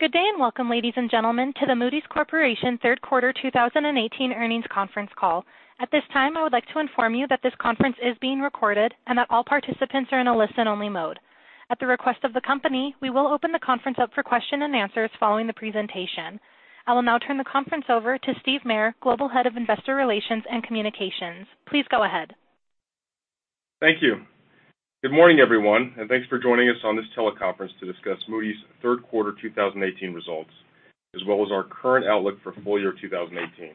Good day, welcome, ladies and gentlemen, to the Moody's Corporation third quarter 2018 earnings conference call. At this time, I would like to inform you that this conference is being recorded, that all participants are in a listen-only mode. At the request of the company, we will open the conference up for question and answers following the presentation. I will now turn the conference over to Stephen Maire, Global Head of Investor Relations and Communications. Please go ahead. Thank you. Good morning, everyone, thanks for joining us on this teleconference to discuss Moody's third quarter 2018 results, as well as our current outlook for full year 2018.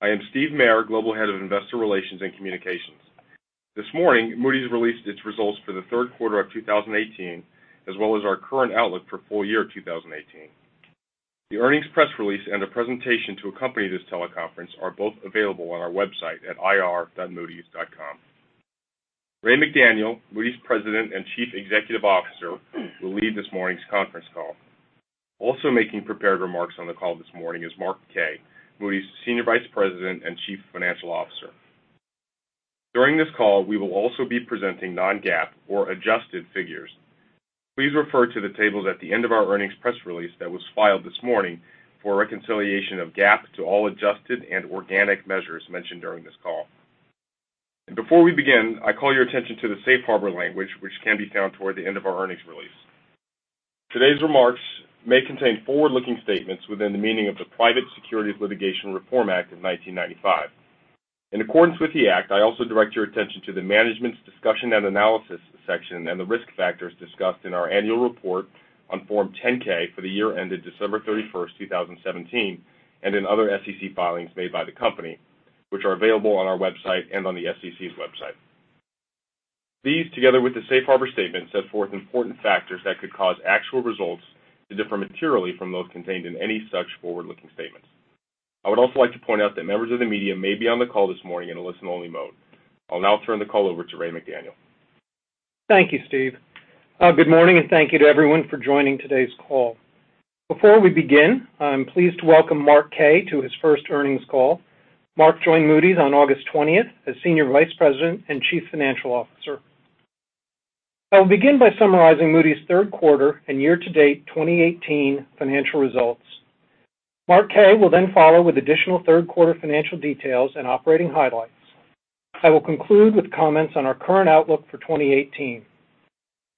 I am Stephen Maire, Global Head of Investor Relations and Communications. This morning, Moody's released its results for the third quarter of 2018, as well as our current outlook for full year 2018. The earnings press release and a presentation to accompany this teleconference are both available on our website at ir.moodys.com. Raymond McDaniel, Moody's President and Chief Executive Officer, will lead this morning's conference call. Also making prepared remarks on the call this morning is Mark Kaye, Moody's Senior Vice President and Chief Financial Officer. During this call, we will also be presenting non-GAAP or adjusted figures. Please refer to the tables at the end of our earnings press release that was filed this morning for a reconciliation of GAAP to all adjusted and organic measures mentioned during this call. Before we begin, I call your attention to the safe harbor language, which can be found toward the end of our earnings release. Today's remarks may contain forward-looking statements within the meaning of the Private Securities Litigation Reform Act of 1995. In accordance with the act, I also direct your attention to the management's discussion and analysis section, the risk factors discussed in our annual report on Form 10-K for the year ended December 31st, 2017, in other SEC filings made by the company, which are available on our website and on the SEC's website. These, together with the safe harbor statement, set forth important factors that could cause actual results to differ materially from those contained in any such forward-looking statements. I would also like to point out that members of the media may be on the call this morning in a listen-only mode. I'll now turn the call over to Raymond McDaniel. Thank you, Steve. Good morning, and thank you to everyone for joining today's call. Before we begin, I'm pleased to welcome Mark Kaye to his first earnings call. Mark joined Moody's on August 20th as Senior Vice President and Chief Financial Officer. I will begin by summarizing Moody's third quarter and year-to-date 2018 financial results. Mark Kaye will then follow with additional third quarter financial details and operating highlights. I will conclude with comments on our current outlook for 2018.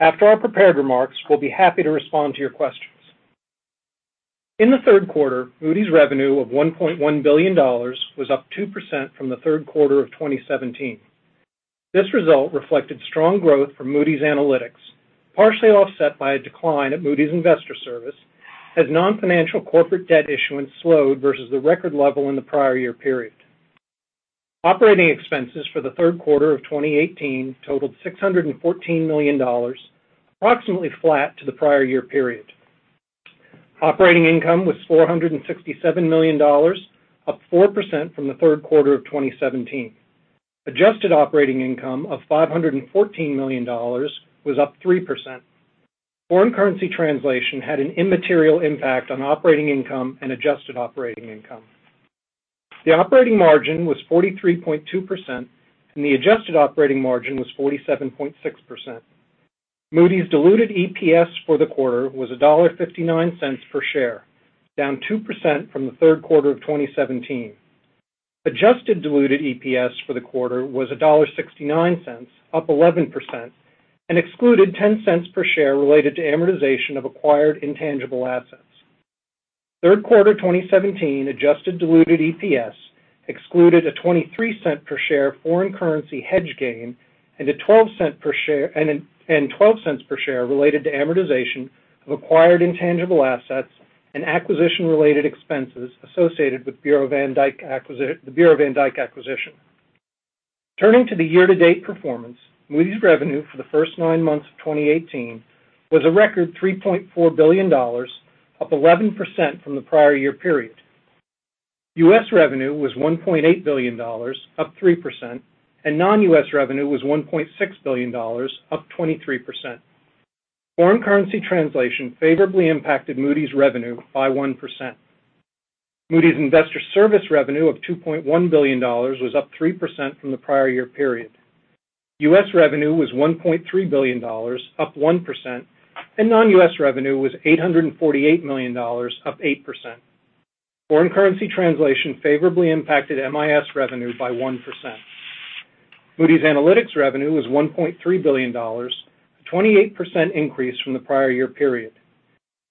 After our prepared remarks, we'll be happy to respond to your questions. In the third quarter, Moody's revenue of $1.1 billion was up 2% from the third quarter of 2017. This result reflected strong growth for Moody's Analytics, partially offset by a decline at Moody's Investors Service as non-financial corporate debt issuance slowed versus the record level in the prior year period. Operating expenses for the third quarter of 2018 totaled $614 million, approximately flat to the prior year period. Operating income was $467 million, up 4% from the third quarter of 2017. Adjusted operating income of $514 million was up 3%. Foreign currency translation had an immaterial impact on operating income and adjusted operating income. The operating margin was 43.2%, and the adjusted operating margin was 47.6%. Moody's diluted EPS for the quarter was $1.59 per share, down 2% from the third quarter of 2017. Adjusted diluted EPS for the quarter was $1.69, up 11%, and excluded $0.10 per share related to amortization of acquired intangible assets. Third quarter 2017 adjusted diluted EPS excluded a $0.23 per share foreign currency hedge gain and $0.12 per share related to amortization of acquired intangible assets and acquisition-related expenses associated with the Bureau van Dijk acquisition. Turning to the year-to-date performance, Moody's revenue for the first nine months of 2018 was a record $3.4 billion, up 11% from the prior year period. U.S. revenue was $1.8 billion, up 3%, and non-U.S. revenue was $1.6 billion, up 23%. Foreign currency translation favorably impacted Moody's revenue by 1%. Moody's Investors Service revenue of $2.1 billion was up 3% from the prior year period. U.S. revenue was $1.3 billion, up 1%, and non-U.S. revenue was $848 million, up 8%. Foreign currency translation favorably impacted MIS revenue by 1%. Moody's Analytics revenue was $1.3 billion, a 28% increase from the prior year period.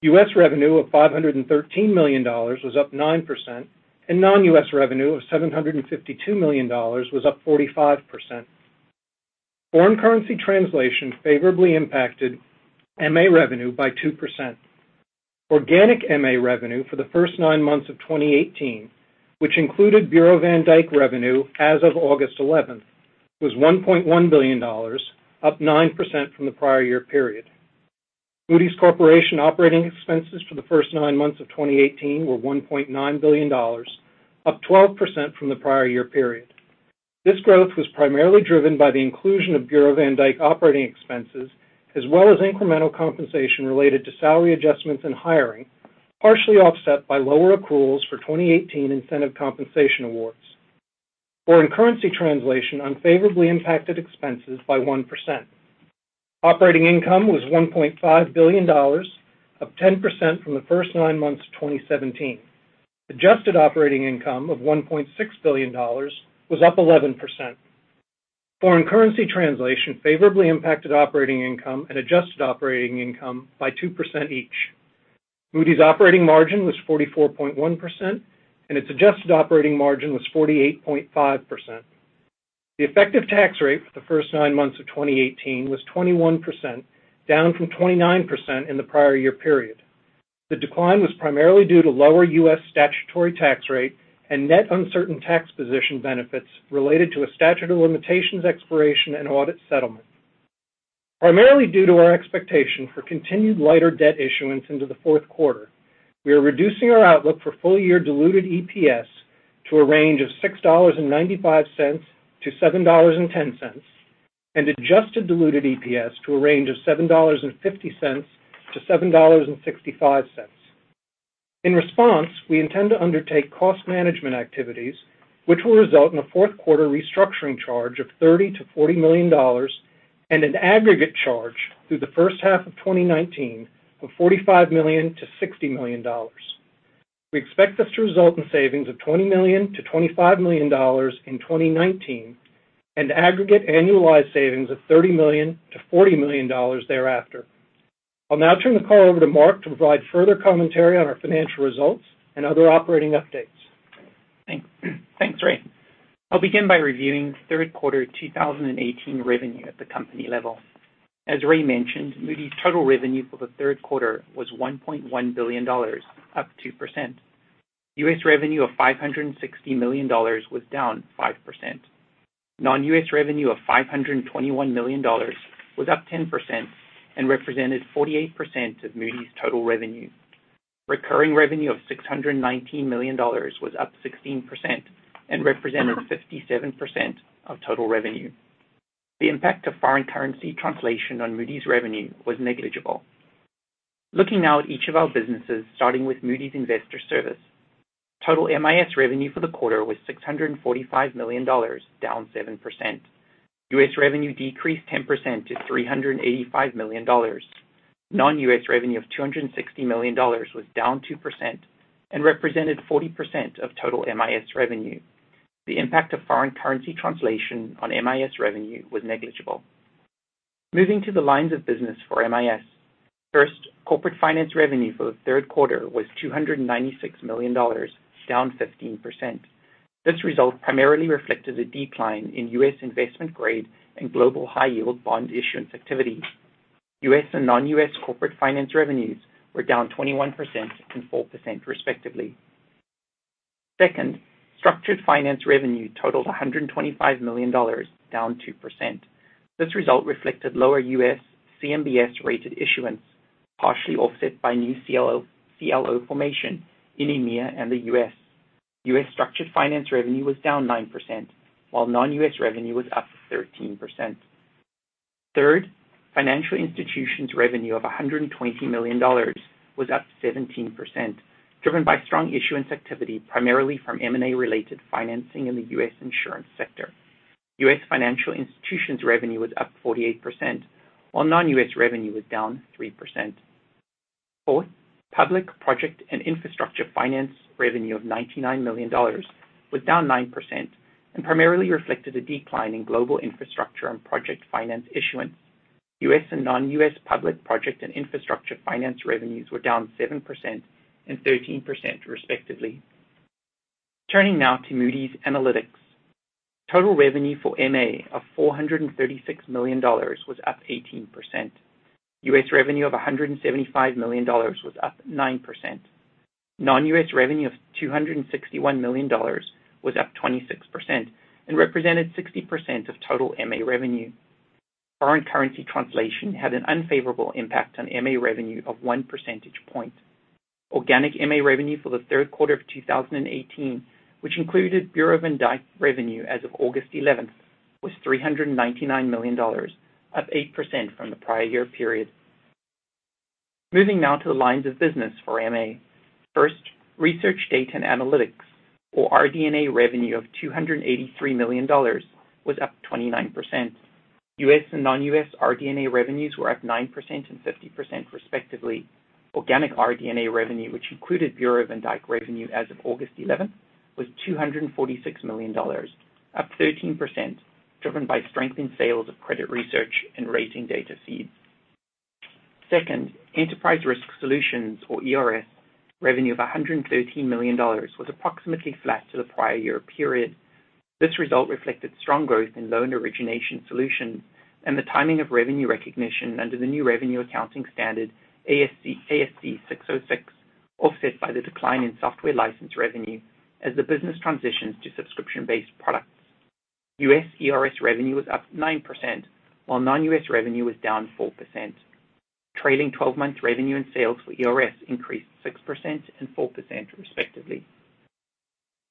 U.S. revenue of $513 million was up 9%, and non-U.S. revenue of $752 million was up 45%. Foreign currency translation favorably impacted MA revenue by 2%. Organic MA revenue for the first nine months of 2018, which included Bureau van Dijk revenue as of August 11th, was $1.1 billion, up 9% from the prior year period. Moody's Corporation operating expenses for the first nine months of 2018 were $1.9 billion, up 12% from the prior year period. This growth was primarily driven by the inclusion of Bureau van Dijk operating expenses as well as incremental compensation related to salary adjustments and hiring, partially offset by lower accruals for 2018 incentive compensation awards. Foreign currency translation unfavorably impacted expenses by 1%. Operating income was $1.5 billion, up 10% from the first nine months of 2017. Adjusted operating income of $1.6 billion was up 11%. Foreign currency translation favorably impacted operating income and adjusted operating income by 2% each. Moody's operating margin was 44.1%, and its adjusted operating margin was 48.5%. The effective tax rate for the first nine months of 2018 was 21%, down from 29% in the prior year period. The decline was primarily due to lower U.S. statutory tax rate and net uncertain tax position benefits related to a statute of limitations expiration and audit settlement. Primarily due to our expectation for continued lighter debt issuance into the fourth quarter, we are reducing our outlook for full-year diluted EPS to a range of $6.95-$7.10, and adjusted diluted EPS to a range of $7.50-$7.65. In response, we intend to undertake cost management activities, which will result in a fourth-quarter restructuring charge of $30 million-$40 million, and an aggregate charge through the first half of 2019 of $45 million-$60 million. We expect this to result in savings of $20 million-$25 million in 2019, and aggregate annualized savings of $30 million-$40 million thereafter. I'll now turn the call over to Mark to provide further commentary on our financial results and other operating updates. Thanks, Ray. I'll begin by reviewing third quarter 2018 revenue at the company level. As Ray mentioned, Moody's total revenue for the third quarter was $1.1 billion, up 2%. U.S. revenue of $560 million was down 5%. Non-U.S. revenue of $521 million was up 10% and represented 48% of Moody's total revenue. Recurring revenue of $619 million was up 16% and represented 57% of total revenue. The impact of foreign currency translation on Moody's revenue was negligible. Looking now at each of our businesses, starting with Moody's Investors Service. Total MIS revenue for the quarter was $645 million, down 7%. U.S. revenue decreased 10% to $385 million. Non-U.S. revenue of $260 million was down 2% and represented 40% of total MIS revenue. The impact of foreign currency translation on MIS revenue was negligible. Moving to the lines of business for MIS. First, corporate finance revenue for the third quarter was $296 million, down 15%. This result primarily reflected a decline in U.S. investment-grade and global high-yield bond issuance activity. U.S. and non-U.S. corporate finance revenues were down 21% and 4%, respectively. Second, structured finance revenue totaled $125 million, down 2%. This result reflected lower U.S. CMBS-rated issuance, partially offset by new CLO formation in EMEA and the U.S. U.S. structured finance revenue was down 9%, while non-U.S. revenue was up 13%. Third, financial institutions revenue of $120 million was up 17%, driven by strong issuance activity, primarily from M&A-related financing in the U.S. insurance sector. U.S. financial institutions revenue was up 48%, while non-U.S. revenue was down 3%. Fourth, public project and infrastructure finance revenue of $99 million was down 9% and primarily reflected a decline in global infrastructure and project finance issuance. U.S. and non-U.S. public project and infrastructure finance revenues were down 7% and 13%, respectively. Turning now to Moody's Analytics. Total revenue for MA of $436 million was up 18%. U.S. revenue of $175 million was up 9%. Non-U.S. revenue of $261 million was up 26% and represented 60% of total MA revenue. Foreign currency translation had an unfavorable impact on MA revenue of one percentage point. Organic MA revenue for the third quarter of 2018, which included Bureau van Dijk revenue as of August 11th, was $399 million, up 8% from the prior year period. Moving now to the lines of business for MA. First, Research, Data, and Analytics, or RD&A revenue of $283 million, was up 29%. U.S. and non-U.S. RD&A revenues were up 9% and 50%, respectively. Organic RD&A revenue, which included Bureau van Dijk revenue as of August 11th, was $246 million, up 13%, driven by strength in sales of credit research and rating data feeds. Second, Enterprise Risk Solutions, or ERS, revenue of $113 million was approximately flat to the prior year period. This result reflected strong growth in loan origination solutions and the timing of revenue recognition under the new revenue accounting standard, ASC 606, offset by the decline in software license revenue as the business transitions to subscription-based products. U.S. ERS revenue was up 9%, while non-U.S. revenue was down 4%. Trailing 12-month revenue in sales for ERS increased 6% and 4%, respectively.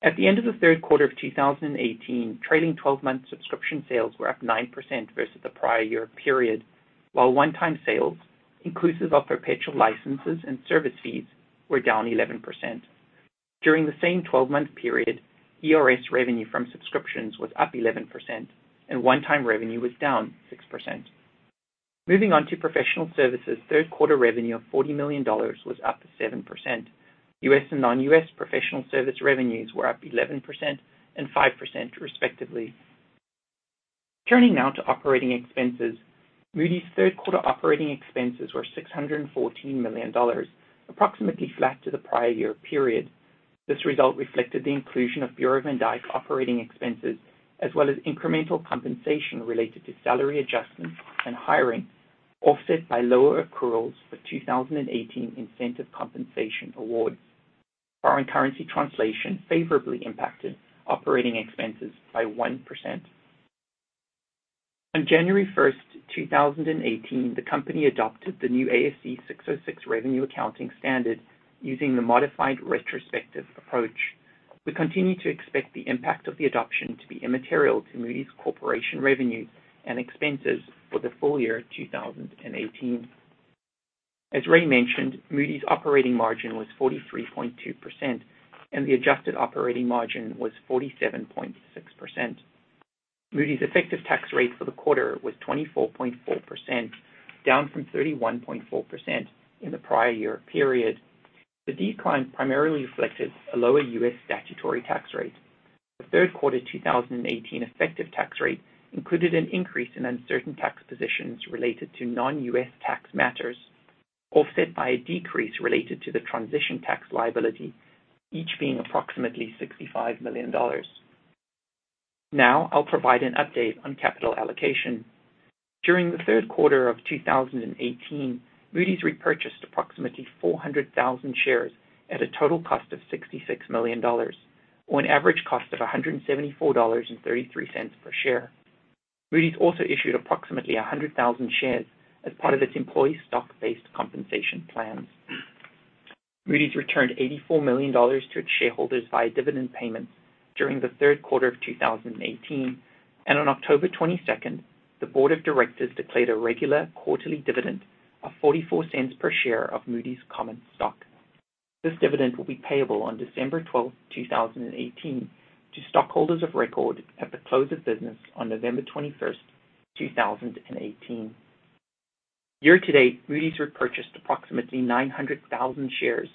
At the end of the third quarter of 2018, trailing 12-month subscription sales were up 9% versus the prior year period, while one-time sales inclusive of perpetual licenses and service fees were down 11%. During the same 12-month period, ERS revenue from subscriptions was up 11%, and one-time revenue was down 6%. Moving on to professional services, third quarter revenue of $40 million was up 7%. U.S. and non-U.S. professional service revenues were up 11% and 5%, respectively. Turning now to operating expenses. Moody's third quarter operating expenses were $614 million, approximately flat to the prior year period. This result reflected the inclusion of Bureau van Dijk operating expenses, as well as incremental compensation related to salary adjustments and hiring, offset by lower accruals for 2018 incentive compensation awards. Foreign currency translation favorably impacted operating expenses by 1%. On January 1st, 2018, the company adopted the new ASC 606 revenue accounting standard using the modified retrospective approach. We continue to expect the impact of the adoption to be immaterial to Moody's Corporation revenue and expenses for the full year 2018. As Ray mentioned, Moody's operating margin was 43.2%, and the adjusted operating margin was 47.6%. Moody's effective tax rate for the quarter was 24.4%, down from 31.4% in the prior year period. The decline primarily reflected a lower U.S. statutory tax rate. The third quarter 2018 effective tax rate included an increase in uncertain tax positions related to non-U.S. tax matters, offset by a decrease related to the transition tax liability, each being approximately $65 million. Now, I'll provide an update on capital allocation. During the third quarter of 2018, Moody's repurchased approximately 400,000 shares at a total cost of $66 million, or an average cost of $174.33 per share. Moody's also issued approximately 100,000 shares as part of its employee stock-based compensation plans. Moody's returned $84 million to its shareholders via dividend payments during the third quarter of 2018. On October 22nd, the board of directors declared a regular quarterly dividend of $0.44 per share of Moody's common stock. This dividend will be payable on December 12th, 2018, to stockholders of record at the close of business on November 21st, 2018. Year-to-date, Moody's repurchased approximately 900,000 shares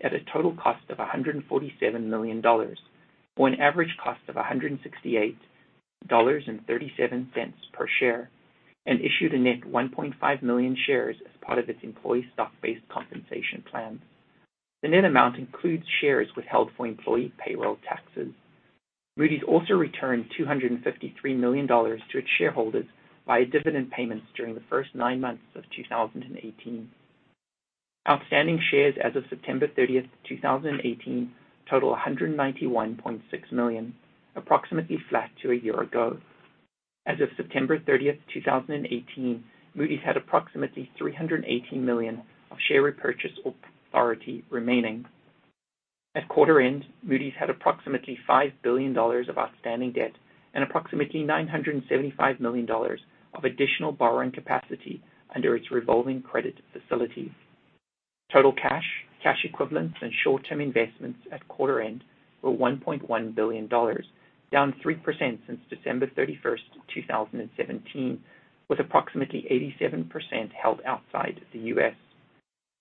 at a total cost of $147 million, or an average cost of $168.37 per share, and issued a net 1.5 million shares as part of its employee stock-based compensation plans. The net amount includes shares withheld for employee payroll taxes. Moody's also returned $253 million to its shareholders via dividend payments during the first nine months of 2018. Outstanding shares as of September 30th, 2018, total 191.6 million, approximately flat to a year ago. As of September 30th, 2018, Moody's had approximately $318 million of share repurchase authority remaining. At quarter end, Moody's had approximately $5 billion of outstanding debt and approximately $975 million of additional borrowing capacity under its revolving credit facilities. Total cash equivalents, and short-term investments at quarter end were $1.1 billion, down 3% since December 31st, 2017, with approximately 87% held outside the U.S.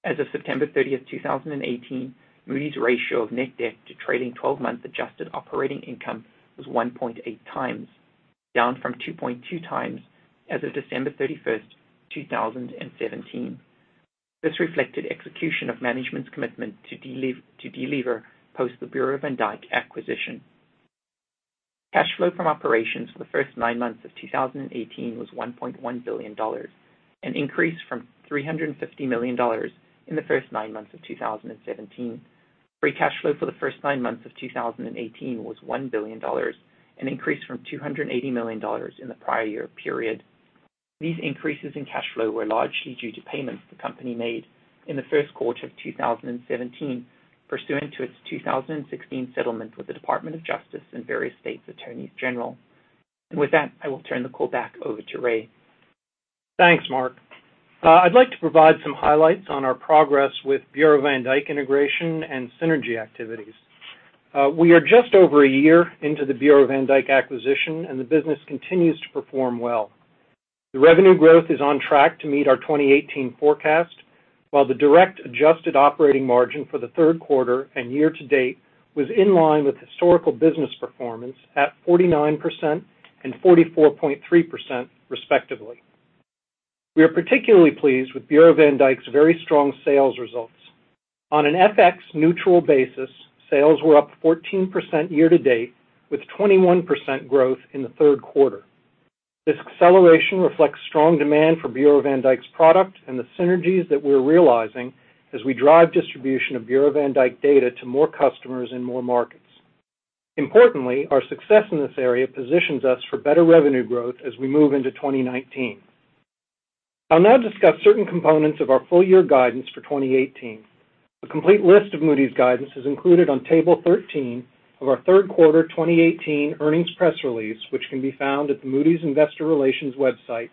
As of September 30th, 2018, Moody's ratio of net debt to trailing 12-months adjusted operating income was 1.8 times, down from 2.2 times as of December 31st, 2017. This reflected execution of management's commitment to delever post the Bureau van Dijk acquisition. Cash flow from operations for the first nine months of 2018 was $1.1 billion, an increase from $350 million in the first nine months of 2017. Free cash flow for the first nine months of 2018 was $1 billion, an increase from $280 million in the prior year period. These increases in cash flow were largely due to payments the company made in the first quarter of 2017 pursuant to its 2016 settlement with the United States Department of Justice and various states' attorneys general. With that, I will turn the call back over to Ray. Thanks, Mark. I'd like to provide some highlights on our progress with Bureau van Dijk integration and synergy activities. We are just over a year into the Bureau van Dijk acquisition, and the business continues to perform well. The revenue growth is on track to meet our 2018 forecast, while the direct adjusted operating margin for the third quarter and year-to-date was in line with historical business performance at 49% and 44.3% respectively. We are particularly pleased with Bureau van Dijk's very strong sales results. On an FX neutral basis, sales were up 14% year-to-date, with 21% growth in the third quarter. This acceleration reflects strong demand for Bureau van Dijk's product and the synergies that we're realizing as we drive distribution of Bureau van Dijk data to more customers in more markets. Importantly, our success in this area positions us for better revenue growth as we move into 2019. I'll now discuss certain components of our full year guidance for 2018. A complete list of Moody's guidance is included on table 13 of our third quarter 2018 earnings press release, which can be found at the Moody's Investor Relations website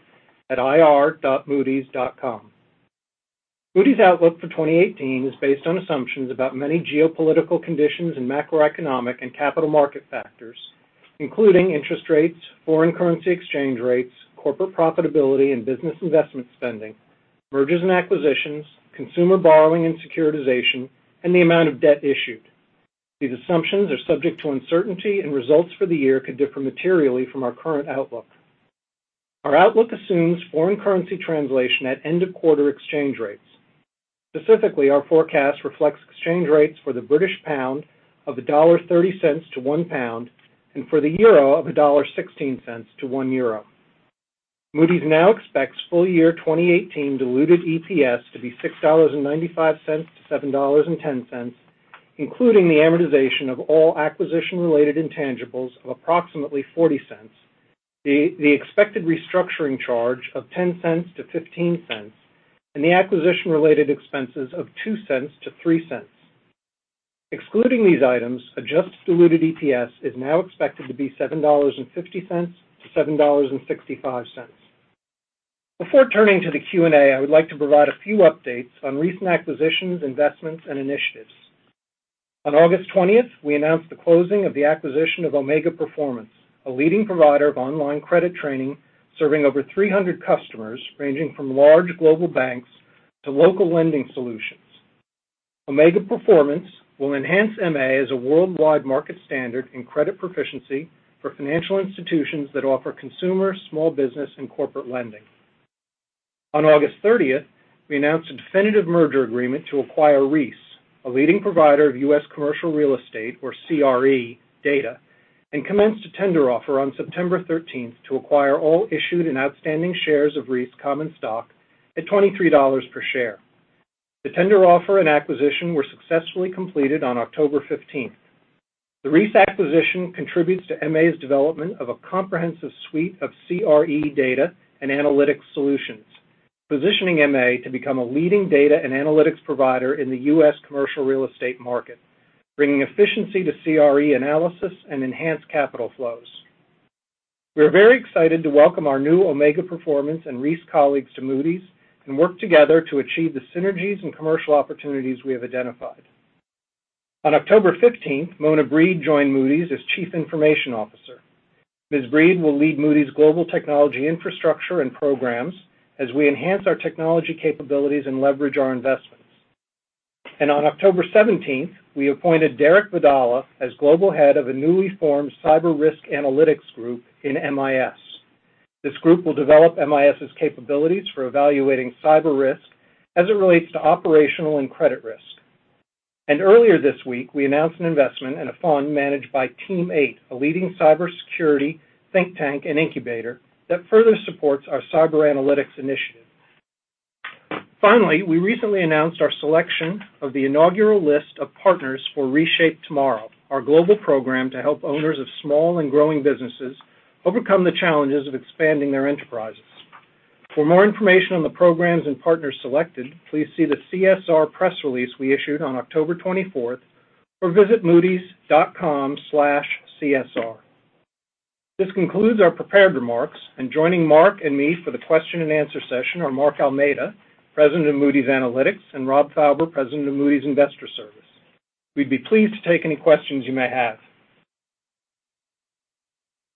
at ir.moodys.com. Moody's outlook for 2018 is based on assumptions about many geopolitical conditions and macroeconomic and capital market factors, including interest rates, foreign currency exchange rates, corporate profitability, and business investment spending, mergers and acquisitions, consumer borrowing and securitization, and the amount of debt issued. These assumptions are subject to uncertainty, and results for the year could differ materially from our current outlook. Our outlook assumes foreign currency translation at end-of-quarter exchange rates. Specifically, our forecast reflects exchange rates for the British pound of $1.30 to 1 pound, and for the euro of $1.16 to 1 euro. Moody's now expects full-year 2018 diluted EPS to be $6.95-$7.10, including the amortization of all acquisition-related intangibles of approximately $0.40, the expected restructuring charge of $0.10-$0.15, and the acquisition-related expenses of $0.02-$0.03. Excluding these items, adjusted diluted EPS is now expected to be $7.50-$7.65. Before turning to the Q&A, I would like to provide a few updates on recent acquisitions, investments, and initiatives. On August 20th, we announced the closing of the acquisition of Omega Performance, a leading provider of online credit training, serving over 300 customers ranging from large global banks to local lending solutions. Omega Performance will enhance MA as a worldwide market standard in credit proficiency for financial institutions that offer consumer, small business, and corporate lending. On August 30th, we announced a definitive merger agreement to acquire Reis, a leading provider of U.S. commercial real estate, or CRE, data, and commenced a tender offer on September 13th to acquire all issued and outstanding shares of Reis common stock at $23 per share. The tender offer and acquisition were successfully completed on October 15th. The Reis acquisition contributes to MA's development of a comprehensive suite of CRE data and analytics solutions, positioning MA to become a leading data and analytics provider in the U.S. commercial real estate market, bringing efficiency to CRE analysis and enhanced capital flows. We are very excited to welcome our new Omega Performance and Reis colleagues to Moody's and work together to achieve the synergies and commercial opportunities we have identified. On October 15th, Mona Breed joined Moody's as Chief Information Officer. Ms. Breed will lead Moody's global technology infrastructure and programs as we enhance our technology capabilities and leverage our investments. On October 17th, we appointed Derek Vadala as Global Head of a newly formed cyber risk analytics group in MIS. This group will develop MIS's capabilities for evaluating cyber risk as it relates to operational and credit risk. Earlier this week, we announced an investment in a fund managed by Team8, a leading cybersecurity think tank and incubator that further supports our cyber analytics initiative. Finally, we recently announced our selection of the inaugural list of partners for Reshape Tomorrow, our global program to help owners of small and growing businesses overcome the challenges of expanding their enterprises. For more information on the programs and partners selected, please see the CSR press release we issued on October 24th, or visit moodys.com/csr. This concludes our prepared remarks, and joining Mark and me for the question-and-answer session are Mark Almeida, President of Moody's Analytics, and Rob Fauber, President of Moody's Investors Service. We would be pleased to take any questions you may have.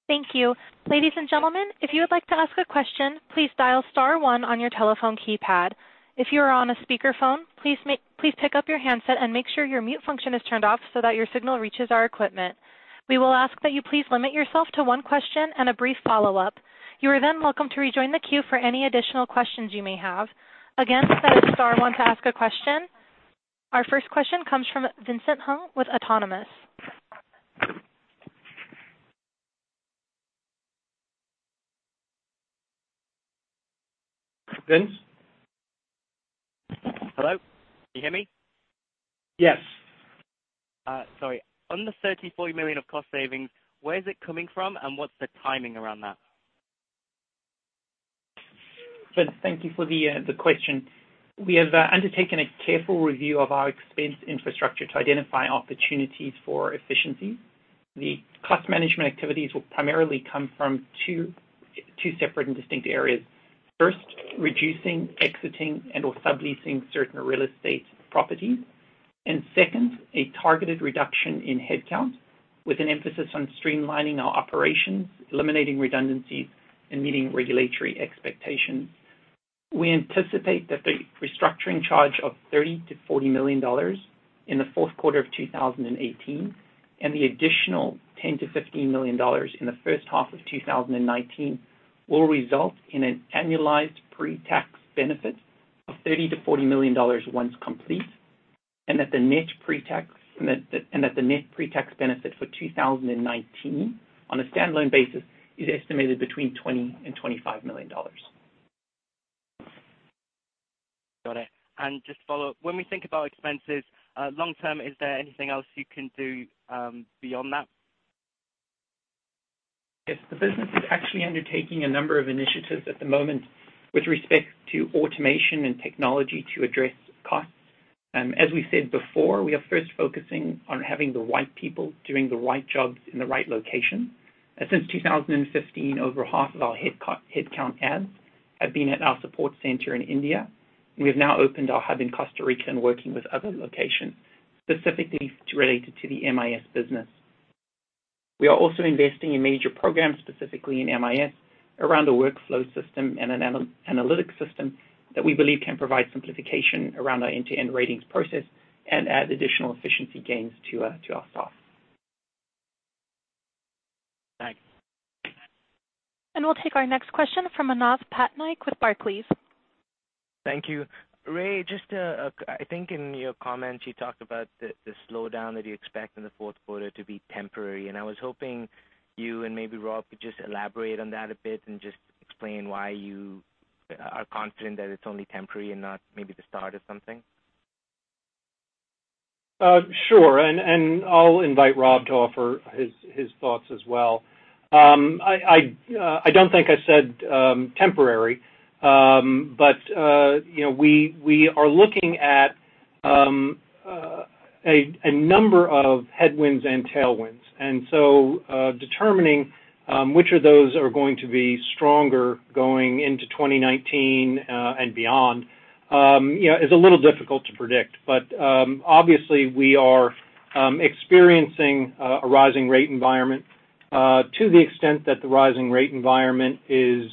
Thank you. Ladies and gentlemen, if you would like to ask a question, please dial star 1 on your telephone keypad. If you are on a speakerphone, please pick up your handset and make sure your mute function is turned off so that your signal reaches our equipment. We will ask that you please limit yourself to one question and a brief follow-up. You are then welcome to rejoin the queue for any additional questions you may have. Again, that is star 1 to ask a question. Our first question comes from Vincent Hung with Autonomous. Vince? Hello, can you hear me? Yes. Sorry. On the $30 million, $40 million of cost savings, where is it coming from, and what is the timing around that? Vince, thank you for the question. We have undertaken a careful review of our expense infrastructure to identify opportunities for efficiency. The cost management activities will primarily come from two separate and distinct areas. First, reducing, exiting, and/or subleasing certain real estate properties. Second, a targeted reduction in headcount with an emphasis on streamlining our operations, eliminating redundancies, and meeting regulatory expectations. We anticipate that the restructuring charge of $30 million-$40 million in the fourth quarter of 2018 and the additional $10 million-$15 million in the first half of 2019 will result in an annualized pre-tax benefit of $30 million-$40 million once complete, and that the net pre-tax benefit for 2019 on a stand-alone basis is estimated between $20 million and $25 million. Got it. Just to follow up, when we think about expenses, long term, is there anything else you can do beyond that? Yes. The business is actually undertaking a number of initiatives at the moment with respect to automation and technology to address costs. As we said before, we are first focusing on having the right people doing the right jobs in the right location. Since 2015, over half of our headcount adds have been at our support center in India. We have now opened our hub in Costa Rica and working with other locations specifically related to the MIS business. We are also investing in major programs, specifically in MIS, around a workflow system and an analytics system that we believe can provide simplification around our end-to-end ratings process and add additional efficiency gains to our staff. Thanks. We'll take our next question from Manav Patnaik with Barclays. Thank you. Ray, I think in your comments you talked about the slowdown that you expect in the fourth quarter to be temporary. I was hoping you and maybe Rob could just elaborate on that a bit and just explain why you are confident that it's only temporary and not maybe the start of something. Sure. I'll invite Rob to offer his thoughts as well. I don't think I said temporary. We are looking at a number of headwinds and tailwinds. Determining which of those are going to be stronger going into 2019 and beyond is a little difficult to predict. Obviously we are experiencing a rising rate environment. To the extent that the rising rate environment is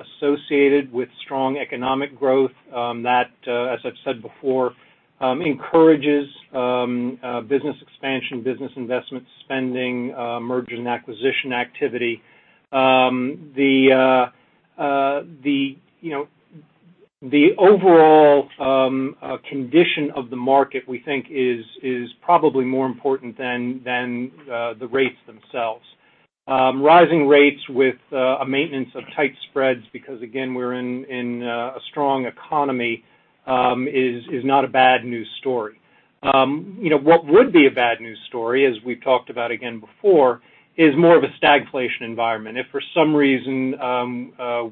associated with strong economic growth. That, as I've said before, encourages business expansion, business investment spending, merger and acquisition activity. The overall condition of the market, we think, is probably more important than the rates themselves. Rising rates with a maintenance of tight spreads because, again, we're in a strong economy is not a bad news story. What would be a bad news story, as we've talked about again before, is more of a stagflation environment. If for some reason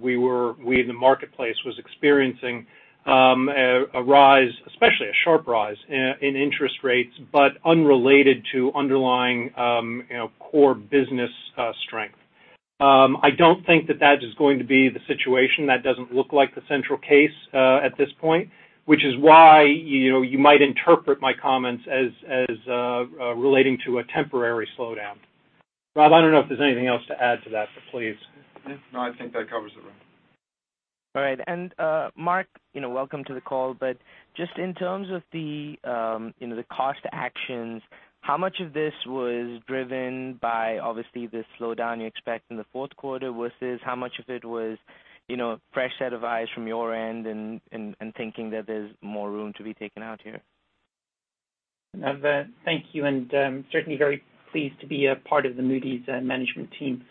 we in the marketplace was experiencing a rise, especially a sharp rise in interest rates, but unrelated to underlying core business strength. I don't think that that is going to be the situation. That doesn't look like the central case at this point, which is why you might interpret my comments as relating to a temporary slowdown. Rob, I don't know if there's anything else to add to that, but please. No, I think that covers it, Ray. Mark, welcome to the call. Just in terms of the cost actions, how much of this was driven by, obviously, the slowdown you expect in the fourth quarter, versus how much of it was fresh set of eyes from your end and thinking that there's more room to be taken out here? Thank you, certainly very pleased to be a part of the Moody's management team.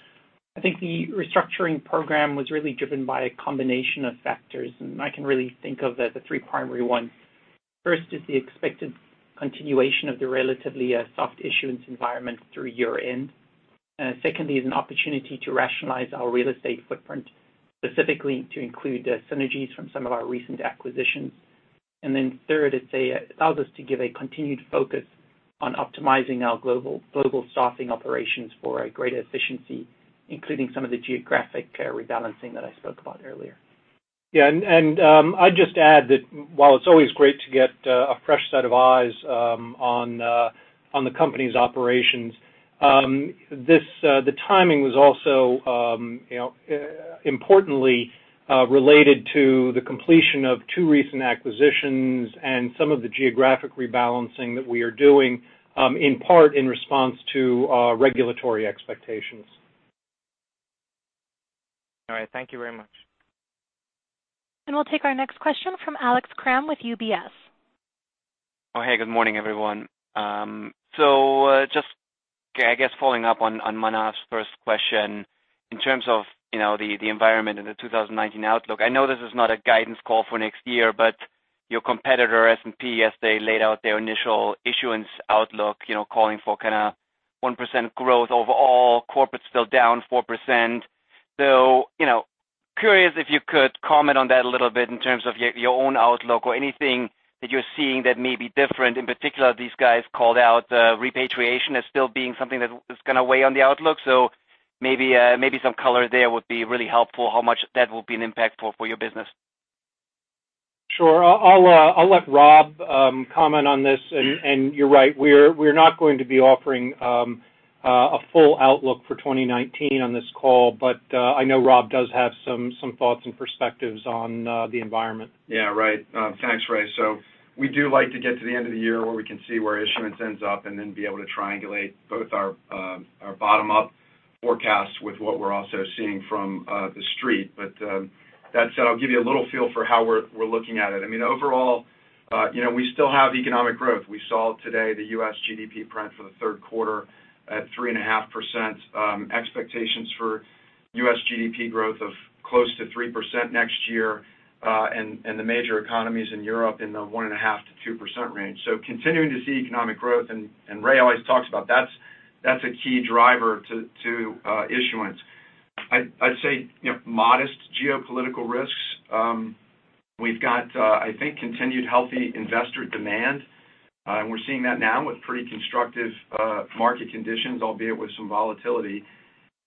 I think the restructuring program was really driven by a combination of factors, I can really think of the three primary ones. First is the expected continuation of the relatively soft issuance environment through year-end. Secondly is an opportunity to rationalize our real estate footprint, specifically to include synergies from some of our recent acquisitions. Third, it allows us to give a continued focus on optimizing our global staffing operations for a greater efficiency, including some of the geographic rebalancing that I spoke about earlier. Yeah. I'd just add that while it's always great to get a fresh set of eyes on the company's operations, the timing was also importantly related to the completion of two recent acquisitions and some of the geographic rebalancing that we are doing, in part, in response to regulatory expectations. All right. Thank you very much. We'll take our next question from Alex Kramm with UBS. Good morning, everyone. Just, I guess following up on Manav's first question in terms of the environment and the 2019 outlook. I know this is not a guidance call for next year, but your competitor, S&P, as they laid out their initial issuance outlook calling for kind of 1% growth overall, corporate still down 4%. Curious if you could comment on that a little bit in terms of your own outlook or anything that you're seeing that may be different. In particular, these guys called out repatriation as still being something that is going to weigh on the outlook. Maybe some color there would be really helpful. How much that will be an impact for your business? Sure. I'll let Rob comment on this. You're right, we're not going to be offering a full outlook for 2019 on this call. I know Rob does have some thoughts and perspectives on the environment. Thanks, Ray. We do like to get to the end of the year where we can see where issuance ends up and then be able to triangulate both our bottom-up forecasts with what we're also seeing from the street. That said, I'll give you a little feel for how we're looking at it. I mean overall we still have economic growth. We saw today the U.S. GDP print for the third quarter at 3.5%. Expectations for U.S. GDP growth of close to 3% next year, and the major economies in Europe in the 1.5%-2% range. Continuing to see economic growth, and Ray always talks about that. That's a key driver to issuance. I'd say modest geopolitical risks. We've got continued healthy investor demand. We're seeing that now with pretty constructive market conditions, albeit with some volatility,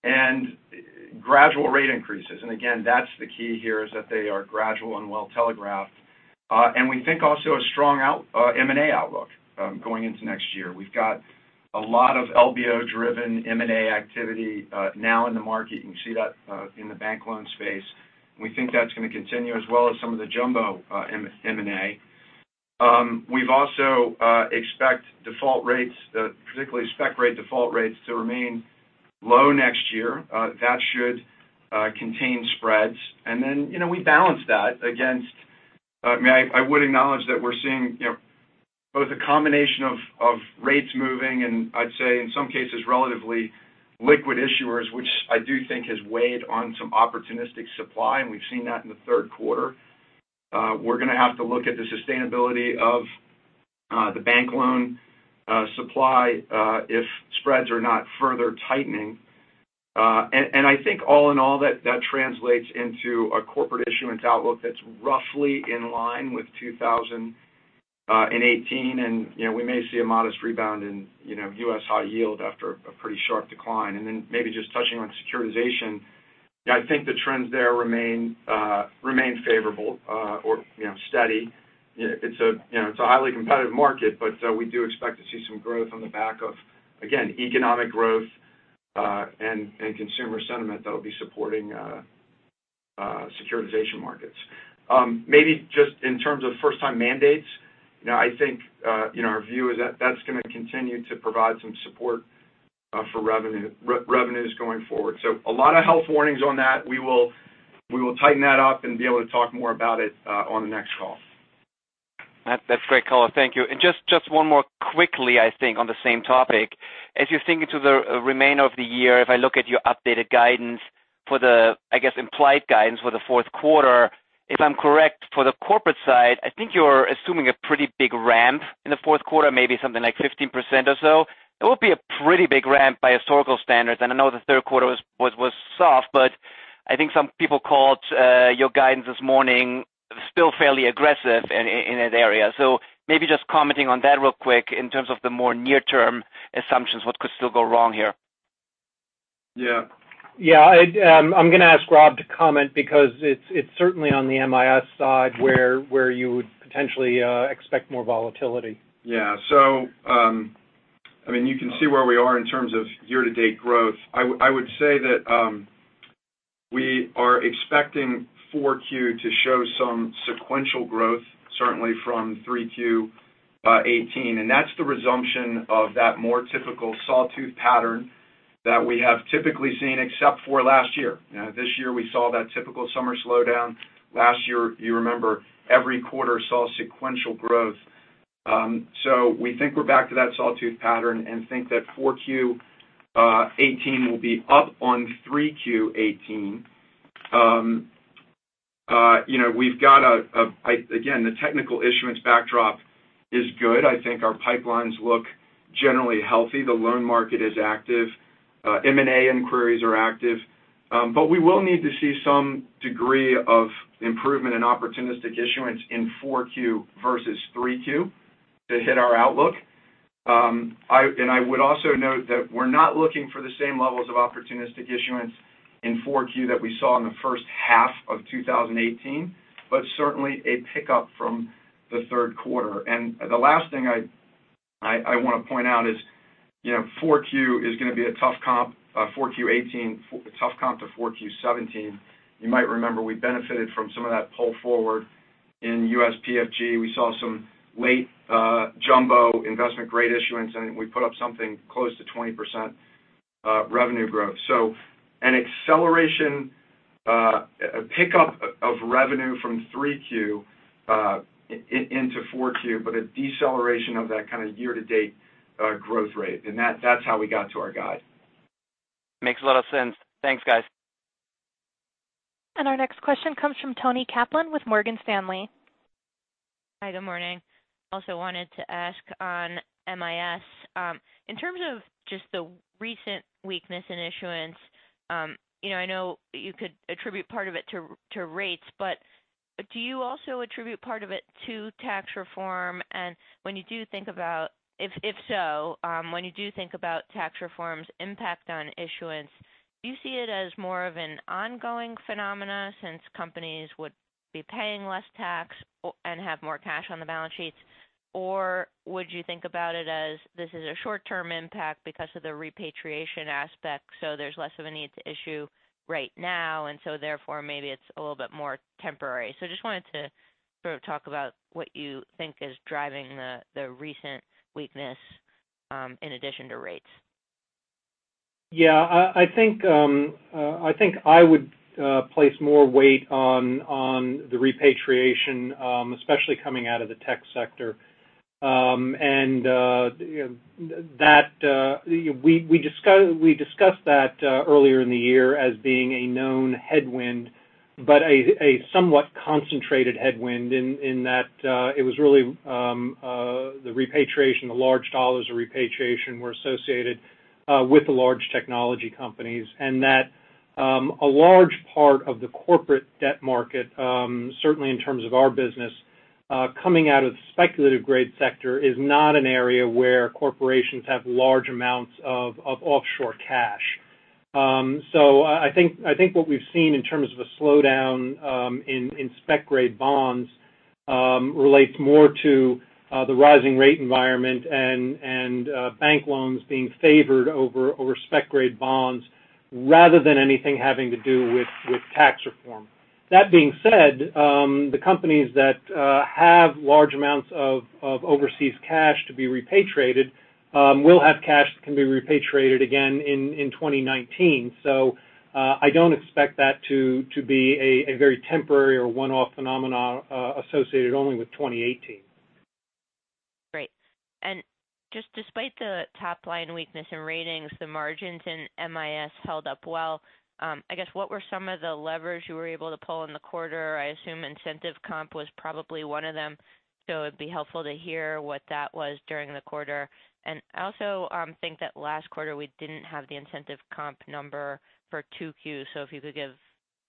and gradual rate increases. That's the key here is that they are gradual and well-telegraphed. We think also a strong M&A outlook going into next year. We've got a lot of LBO-driven M&A activity now in the market. You can see that in the bank loan space. We think that's going to continue as well as some of the jumbo M&A. We also expect default rates, particularly spec-grade default rates, to remain low next year. That should contain spreads. Then we balance that against. I would acknowledge that we're seeing both a combination of rates moving, and I'd say in some cases, relatively liquid issuers, which I do think has weighed on some opportunistic supply, and we've seen that in the third quarter. We're going to have to look at the sustainability of the bank loan supply if spreads are not further tightening. I think all in all, that translates into a corporate issuance outlook that's roughly in line with 2018. We may see a modest rebound in U.S. high yield after a pretty sharp decline. Then maybe just touching on securitization, I think the trends there remain favorable or steady. It's a highly competitive market, but we do expect to see some growth on the back of, again, economic growth and consumer sentiment that will be supporting securitization markets. Maybe just in terms of first-time mandates, now I think our view is that that's going to continue to provide some support for revenues going forward. A lot of health warnings on that. We will tighten that up and be able to talk more about it on the next call. That's great, color. Thank you. Just one more quickly, I think, on the same topic. As you think into the remainder of the year, if I look at your updated guidance for the implied guidance for the fourth quarter, if I'm correct, for the corporate side, I think you're assuming a pretty big ramp in the fourth quarter, maybe something like 15% or so. It would be a pretty big ramp by historical standards, and I know the third quarter was soft, but I think some people called your guidance this morning still fairly aggressive in that area. Maybe just commenting on that real quick in terms of the more near-term assumptions, what could still go wrong here? Yeah. Yeah. I'm going to ask Rob to comment because it's certainly on the MIS side where you would potentially expect more volatility. Yeah. You can see where we are in terms of year-to-date growth. I would say that we are expecting 4Q to show some sequential growth, certainly from 3Q '18. That's the resumption of that more typical sawtooth pattern that we have typically seen, except for last year. This year, we saw that typical summer slowdown. Last year, you remember, every quarter saw sequential growth. We think we're back to that sawtooth pattern and think that 4Q '18 will be up on 3Q '18. Again, the technical issuance backdrop is good. I think our pipelines look generally healthy. The loan market is active. M&A inquiries are active. We will need to see some degree of improvement in opportunistic issuance in 4Q versus 3Q to hit our outlook. I would also note that we're not looking for the same levels of opportunistic issuance in 4Q that we saw in the first half of 2018, but certainly a pickup from the third quarter. The last thing I want to point out is 4Q is going to be a tough comp to 4Q '17. You might remember we benefited from some of that pull forward in U.S. PFG. We saw some late jumbo investment-grade issuance, and we put up something close to 20% revenue growth. An acceleration pickup of revenue from 3Q into 4Q, but a deceleration of that kind of year-to-date growth rate. That's how we got to our guide. Makes a lot of sense. Thanks, guys. Our next question comes from Toni Kaplan with Morgan Stanley. Hi, good morning. Also wanted to ask on MIS. In terms of just the recent weakness in issuance, I know you could attribute part of it to rates, but do you also attribute part of it to tax reform? If so, when you do think about tax reform's impact on issuance, do you see it as more of an ongoing phenomena since companies would be paying less tax and have more cash on the balance sheets? Or would you think about it as this is a short-term impact because of the repatriation aspect, so there's less of a need to issue right now, and so therefore, maybe it's a little bit more temporary. Just wanted to sort of talk about what you think is driving the recent weakness in addition to rates. Yeah. I think I would place more weight on the repatriation, especially coming out of the tech sector. We discussed that earlier in the year as being a known headwind, but a somewhat concentrated headwind in that it was really the repatriation of large dollars of repatriation were associated with the large technology companies, and that a large part of the corporate debt market, certainly in terms of our business coming out of the speculative grade sector, is not an area where corporations have large amounts of offshore cash. I think what we've seen in terms of a slowdown in spec-grade bonds relates more to the rising rate environment and bank loans being favored over spec-grade bonds rather than anything having to do with tax reform. That being said, the companies that have large amounts of overseas cash to be repatriated will have cash that can be repatriated again in 2019. I don't expect that to be a very temporary or one-off phenomenon associated only with 2018. Great. Just despite the top-line weakness in ratings, the margins in MIS held up well. I guess, what were some of the levers you were able to pull in the quarter? I assume incentive comp was probably one of them, so it'd be helpful to hear what that was during the quarter. I also think that last quarter we didn't have the incentive comp number for 2Q. If you could give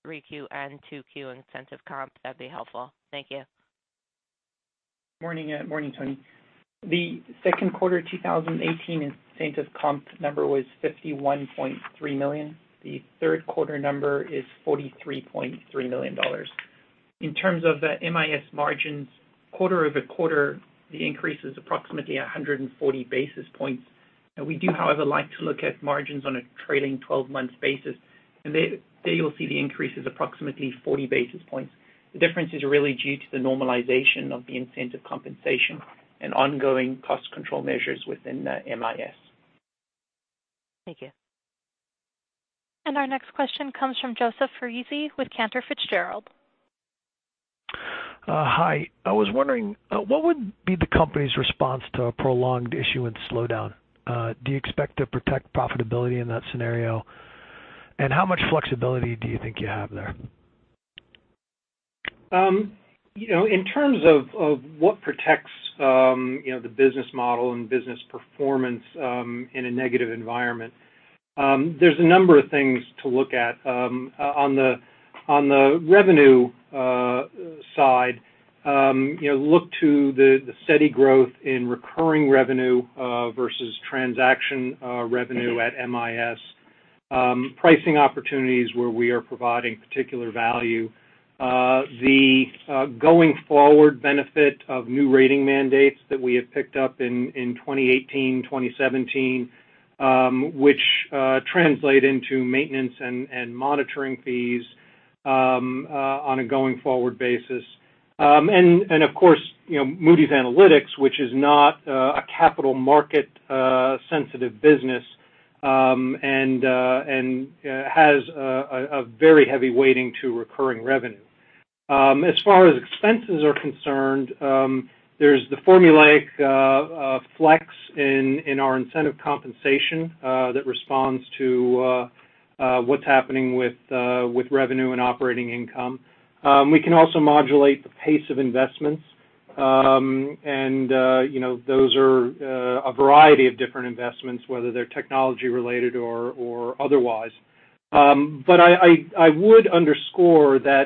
3Q and 2Q incentive comp, that'd be helpful. Thank you. Morning, Toni. The second quarter 2018 incentive comp number was $51.3 million. The third quarter number is $43.3 million. In terms of the MIS margins, quarter-over-quarter, the increase is approximately 140 basis points. We do, however, like to look at margins on a trailing 12-month basis, and there you'll see the increase is approximately 40 basis points. The difference is really due to the normalization of the incentive compensation and ongoing cost control measures within MIS. Thank you. Our next question comes from Joseph Foresi with Cantor Fitzgerald. Hi. I was wondering, what would be the company's response to a prolonged issuance slowdown? Do you expect to protect profitability in that scenario? How much flexibility do you think you have there? In terms of what protects the business model and business performance in a negative environment, there's a number of things to look at. On the revenue side, look to the steady growth in recurring revenue versus transaction revenue at MIS. Pricing opportunities where we are providing particular value. The going-forward benefit of new rating mandates that we have picked up in 2018, 2017 which translate into maintenance and monitoring fees on a going-forward basis. Of course, Moody's Analytics, which is not a capital market sensitive business and has a very heavy weighting to recurring revenue. As far as expenses are concerned, there's the formulaic flex in our incentive compensation that responds to what's happening with revenue and operating income. We can also modulate the pace of investments. Those are a variety of different investments, whether they're technology related or otherwise. I would underscore that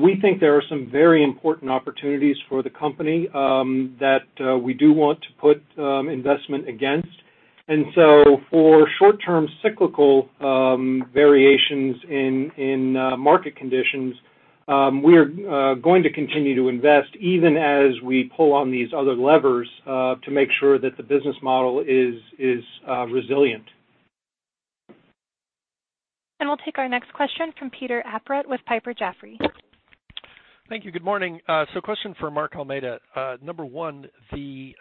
we think there are some very important opportunities for the company that we do want to put investment against. For short-term cyclical variations in market conditions, we're going to continue to invest even as we pull on these other levers to make sure that the business model is resilient. We'll take our next question from Peter Appert with Piper Jaffray. Thank you. Good morning. Question for Mark Almeida. Number one, the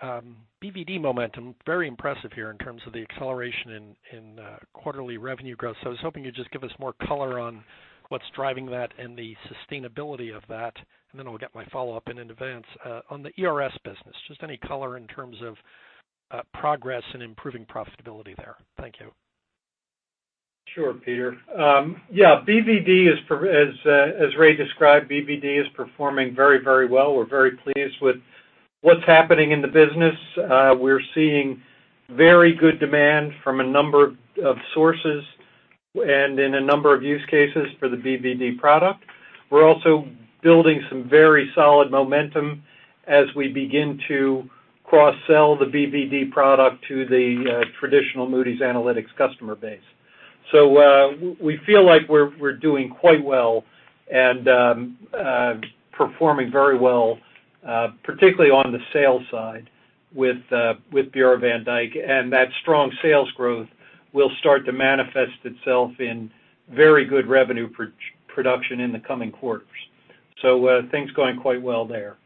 BVD momentum, very impressive here in terms of the acceleration in quarterly revenue growth. I was hoping you'd just give us more color on what's driving that and the sustainability of that, I'll get my follow-up in advance. On the ERS business, just any color in terms of progress and improving profitability there. Thank you. Sure, Peter. As Ray described, BVD is performing very well. We're very pleased with what's happening in the business. We're seeing very good demand from a number of sources and in a number of use cases for the BVD product. We're also building some very solid momentum as we begin to cross-sell the BVD product to the traditional Moody's Analytics customer base. We feel like we're doing quite well and performing very well, particularly on the sales side with Bureau van Dijk. That strong sales growth will start to manifest itself in very good revenue production in the coming quarters. Things going quite well there.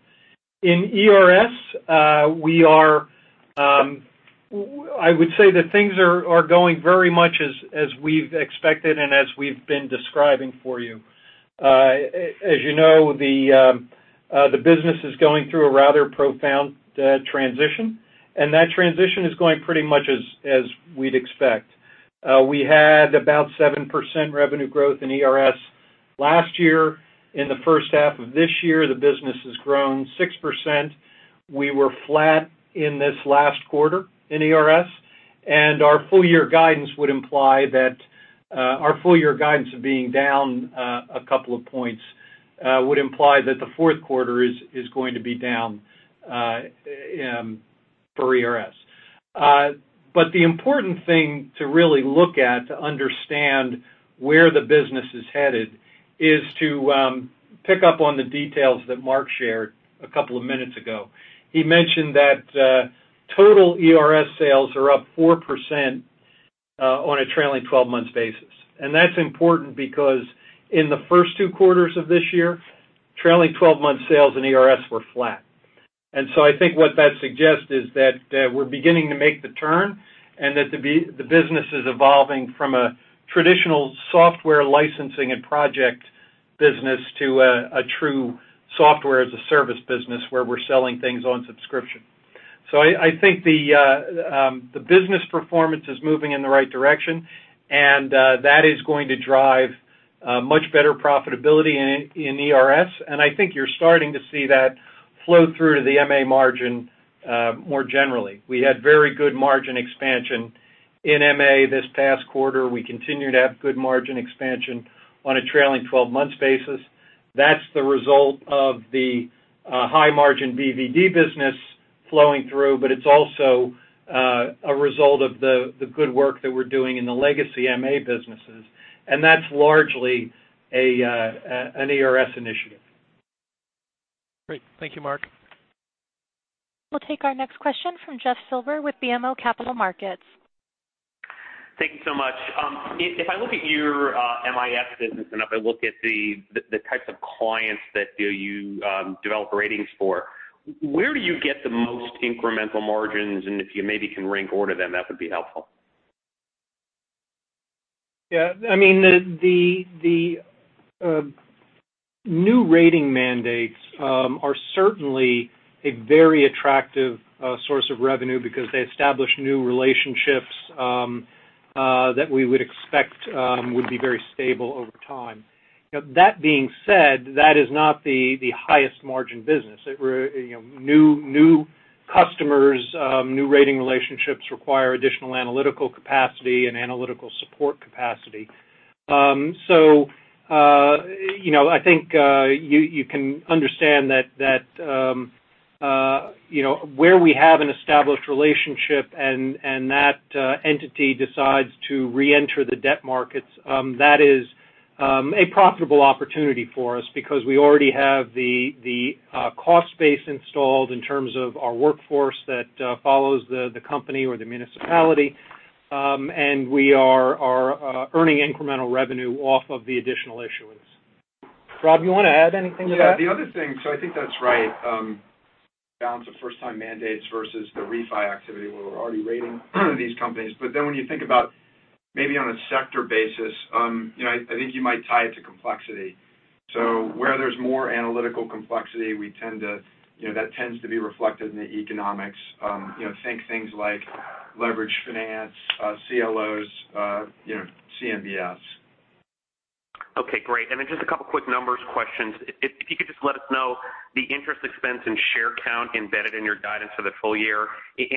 I would say that things are going very much as we've expected and as we've been describing for you. As you know, the business is going through a rather profound transition, that transition is going pretty much as we'd expect. We had about 7% revenue growth in ERS last year. In the first half of this year, the business has grown 6%. We were flat in this last quarter in ERS, our full year guidance of being down a couple of points would imply that the fourth quarter is going to be down for ERS. The important thing to really look at to understand where the business is headed is to pick up on the details that Mark shared a couple of minutes ago. He mentioned that total ERS sales are up 4% on a trailing 12-month basis. That's important because in the first two quarters of this year, trailing 12-month sales in ERS were flat. I think what that suggests is that we're beginning to make the turn and that the business is evolving from a traditional software licensing and project business to a true software as a service business where we're selling things on subscription. I think the business performance is moving in the right direction, that is going to drive much better profitability in ERS. I think you're starting to see that flow through to the MA margin more generally. We had very good margin expansion in MA this past quarter. We continue to have good margin expansion on a trailing 12-month basis. That's the result of the high-margin BVD business flowing through, but it's also a result of the good work that we're doing in the legacy MA businesses. That's largely an ERS initiative. Great. Thank you, Mark. We'll take our next question from Jeffrey Silber with BMO Capital Markets. Thank you so much. If I look at your MIS business and if I look at the types of clients that you develop ratings for, where do you get the most incremental margins? If you maybe can rank order them, that would be helpful. Yeah. The new rating mandates are certainly a very attractive source of revenue because they establish new relationships that we would expect would be very stable over time. That being said, that is not the highest margin business. New customers, new rating relationships require additional analytical capacity and analytical support capacity. I think you can understand that where we have an established relationship and that entity decides to reenter the debt markets, that is a profitable opportunity for us because we already have the cost base installed in terms of our workforce that follows the company or the municipality, and we are earning incremental revenue off of the additional issuance. Rob, you want to add anything to that? Yeah. I think that's right. Balance of first time mandates versus the refi activity where we're already rating these companies. When you think about maybe on a sector basis, I think you might tie it to complexity. Where there's more analytical complexity, that tends to be reflected in the economics. Think things like leverage finance, CLOs, CMBS. Okay, great. Just a couple quick numbers questions. If you could just let us know the interest expense and share count embedded in your guidance for the full year.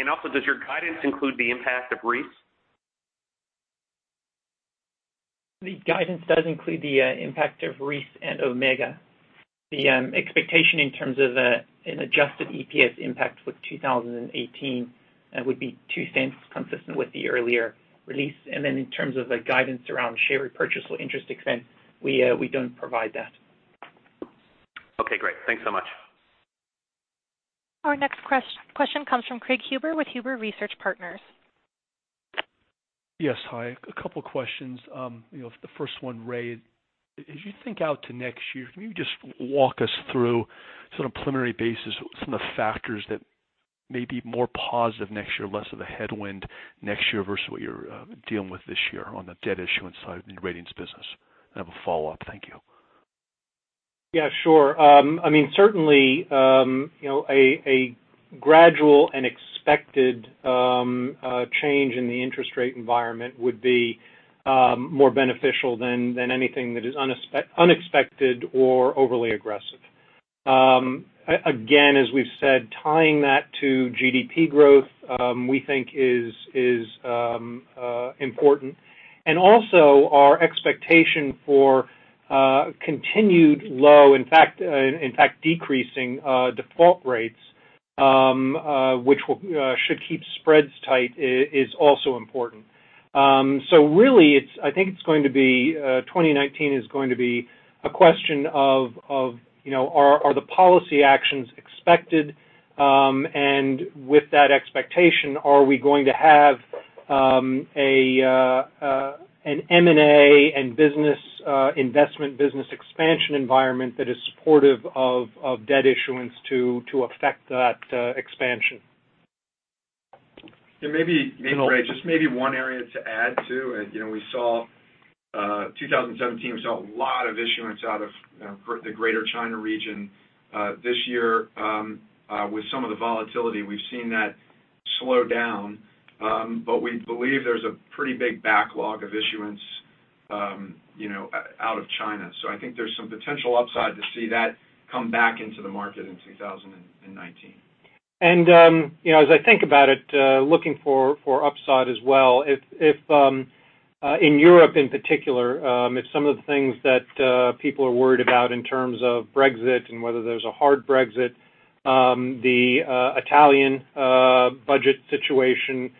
Also, does your guidance include the impact of Reis? The guidance does include the impact of Reis and Omega Performance. The expectation in terms of an adjusted EPS impact for 2018 would be $0.02 consistent with the earlier release. In terms of the guidance around share repurchase or interest expense, we don't provide that. Okay, great. Thanks so much. Our next question comes from Craig Huber with Huber Research Partners. Yes, hi. A couple questions. The first one, Ray, as you think out to next year, can you just walk us through sort of preliminary basis some of the factors that may be more positive next year, less of a headwind next year versus what you're dealing with this year on the debt issuance side in the ratings business? I have a follow-up. Thank you. Yeah, sure. Certainly, a gradual and expected change in the interest rate environment would be more beneficial than anything that is unexpected or overly aggressive. Again, as we've said, tying that to GDP growth we think is important. Also our expectation for continued low, in fact decreasing default rates, which should keep spreads tight, is also important. Really, I think 2019 is going to be a question of are the policy actions expected? With that expectation, are we going to have An M&A and investment business expansion environment that is supportive of debt issuance to affect that expansion. Yeah. Maybe, Ray, just maybe one area to add to. In 2017, we saw a lot of issuance out of the Greater China region. This year, with some of the volatility, we've seen that slow down. We believe there's a pretty big backlog of issuance out of China. I think there's some potential upside to see that come back into the market in 2019. As I think about it, looking for upside as well, if in Europe in particular, if some of the things that people are worried about in terms of Brexit and whether there's a hard Brexit, the Italian budget situation.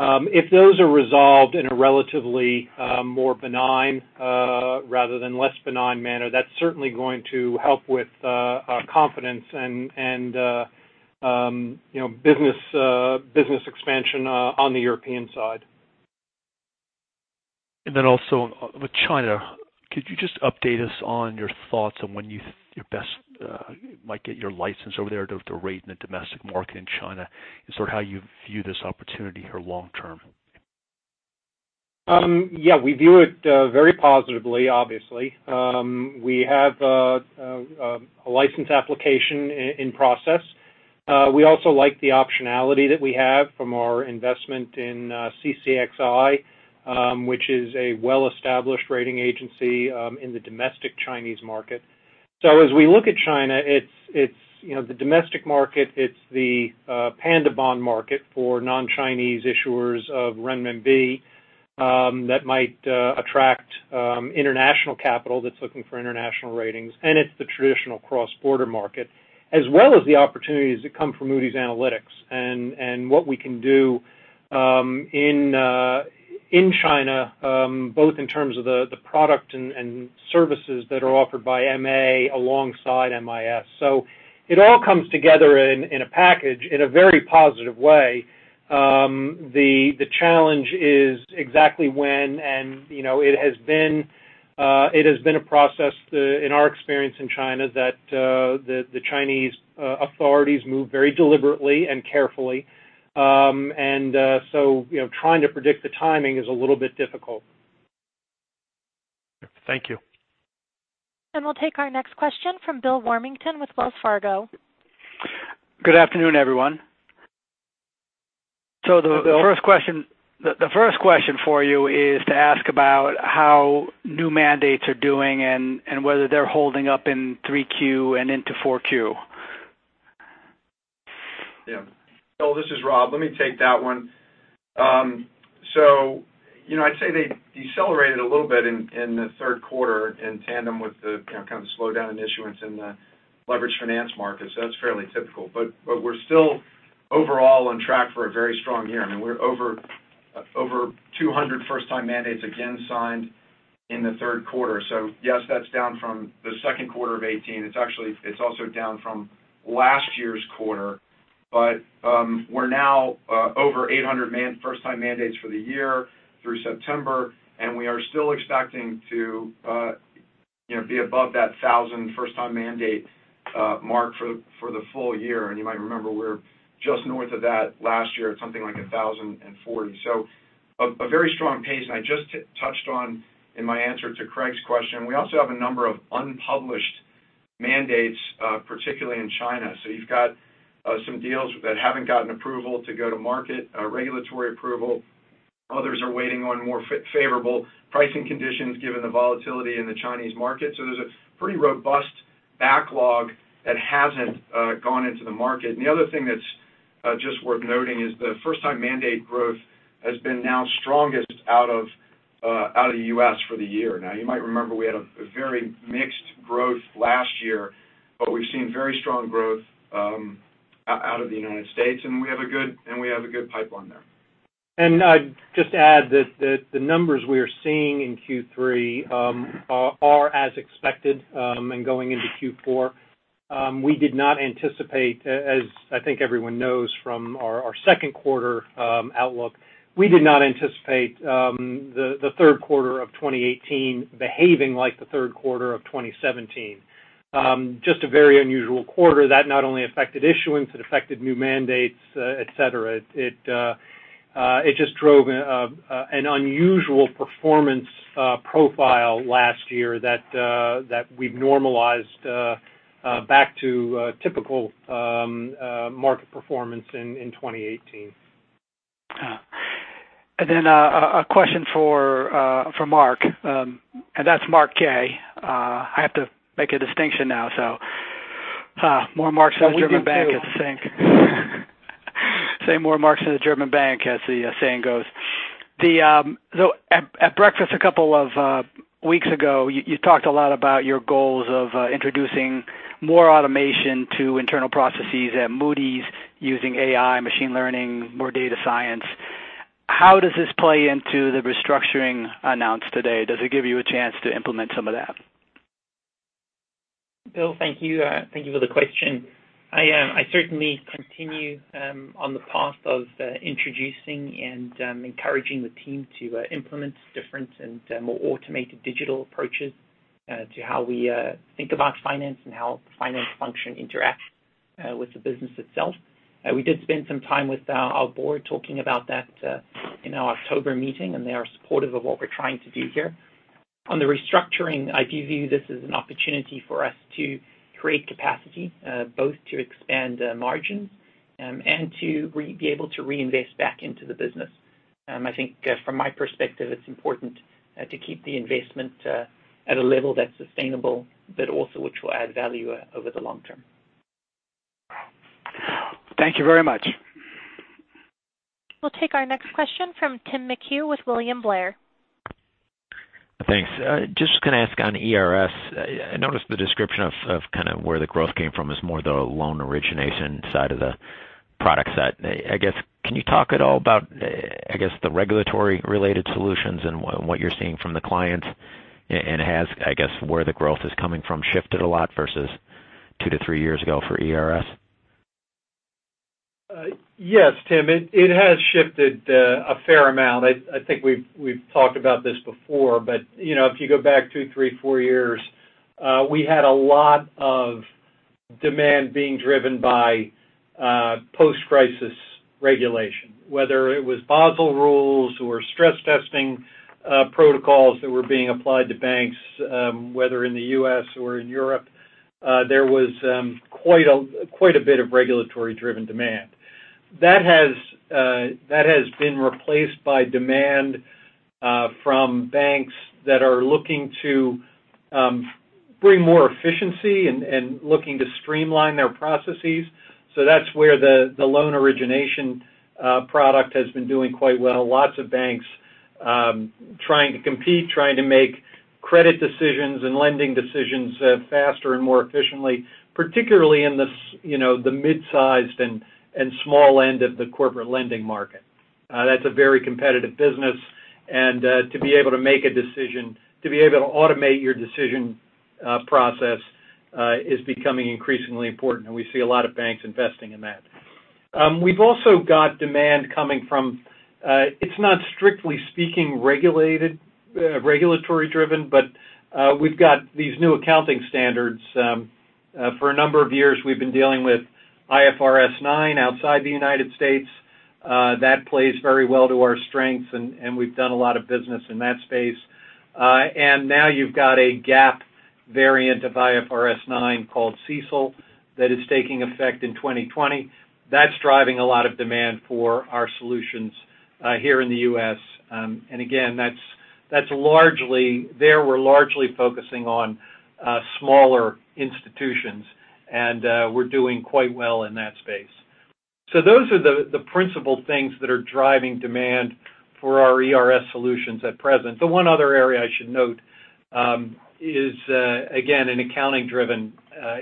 If those are resolved in a relatively more benign rather than less benign manner, that's certainly going to help with confidence and business expansion on the European side. Also with China, could you just update us on your thoughts on when you think you might get your license over there to rate in the domestic market in China, and sort of how you view this opportunity for long term? Yeah, we view it very positively, obviously. We have a license application in process. We also like the optionality that we have from our investment in CCXI, which is a well-established rating agency in the domestic Chinese market. As we look at China, the domestic market, it's the panda bond market for non-Chinese issuers of renminbi that might attract international capital that's looking for international ratings. It's the traditional cross-border market, as well as the opportunities that come from Moody's Analytics and what we can do in China both in terms of the product and services that are offered by MA alongside MIS. It all comes together in a package in a very positive way. The challenge is exactly when. It has been a process in our experience in China that the Chinese authorities move very deliberately and carefully. Trying to predict the timing is a little bit difficult. Thank you. We'll take our next question from Bill Warmington with Wells Fargo. Good afternoon, everyone. The first question for you is to ask about how new mandates are doing and whether they're holding up in Q3 and into Q4. Bill, this is Rob. Let me take that one. I'd say they decelerated a little bit in the third quarter in tandem with the kind of slowdown in issuance in the leverage finance markets. That's fairly typical. We're still overall on track for a very strong year. I mean, we're over 200 first-time mandates again signed in the third quarter. Yes, that's down from the second quarter of 2018. It's also down from last year's quarter. We're now over 800 first-time mandates for the year through September, and we are still expecting to be above that 1,000 first-time mandate mark for the full year. You might remember we were just north of that last year at something like 1,040. A very strong pace. I just touched on in my answer to Craig Huber's question, we also have a number of unpublished mandates, particularly in China. You've got some deals that haven't gotten approval to go to market, regulatory approval. Others are waiting on more favorable pricing conditions given the volatility in the Chinese market. There's a pretty robust backlog that hasn't gone into the market. The other thing that's just worth noting is the first-time mandate growth has been now strongest out of the U.S. for the year. You might remember we had a very mixed growth last year, but we've seen very strong growth out of the United States, and we have a good pipeline there. I'd just add that the numbers we are seeing in Q3 are as expected and going into Q4. We did not anticipate, as I think everyone knows from our second quarter outlook, we did not anticipate the third quarter of 2018 behaving like the third quarter of 2017. Just a very unusual quarter that not only affected issuance, it affected new mandates, et cetera. It just drove an unusual performance profile last year that we've normalized back to typical market performance in 2018. Then a question for Mark, and that's Mark K. I have to make a distinction now. More Marks than a German bank at the sink. We do too. Say more Marks than a German bank, as the saying goes. At breakfast a couple of weeks ago, you talked a lot about your goals of introducing more automation to internal processes at Moody's using AI, machine learning, more data science. How does this play into the restructuring announced today? Does it give you a chance to implement some of that? Bill, thank you. Thank you for the question. I certainly continue on the path of introducing and encouraging the team to implement different and more automated digital approaches to how we think about finance and how the finance function interacts with the business itself. We did spend some time with our board talking about that in our October meeting, and they are supportive of what we're trying to do here. On the restructuring, I view this as an opportunity for us to create capacity, both to expand margins and to be able to reinvest back into the business. I think from my perspective, it's important to keep the investment at a level that's sustainable, but also which will add value over the long term. Thank you very much. We'll take our next question from Tim McHugh with William Blair. Thanks. Just going to ask on ERS. I noticed the description of where the growth came from is more the loan origination side of the product set. I guess, can you talk at all about the regulatory related solutions and what you're seeing from the clients? Has, I guess, where the growth is coming from shifted a lot versus two to three years ago for ERS? Yes, Tim, it has shifted a fair amount. I think we've talked about this before. If you go back two, three, four years, we had a lot of demand being driven by post-crisis regulation, whether it was Basel rules or stress testing protocols that were being applied to banks, whether in the U.S. or in Europe. There was quite a bit of regulatory-driven demand. That has been replaced by demand from banks that are looking to bring more efficiency and looking to streamline their processes. That's where the loan origination product has been doing quite well. Lots of banks trying to compete, trying to make credit decisions and lending decisions faster and more efficiently, particularly in the mid-sized and small end of the corporate lending market. That's a very competitive business, and to be able to automate your decision process is becoming increasingly important, and we see a lot of banks investing in that. We've also got demand coming from it's not strictly speaking regulatory driven, but we've got these new accounting standards. For a number of years, we've been dealing with IFRS 9 outside the United States. That plays very well to our strengths, and we've done a lot of business in that space. Now you've got a GAAP variant of IFRS 9 called CECL that is taking effect in 2020. That's driving a lot of demand for our solutions here in the U.S. Again, there we're largely focusing on smaller institutions, and we're doing quite well in that space. Those are the principal things that are driving demand for our ERS solutions at present. The one other area I should note is, again, an accounting-driven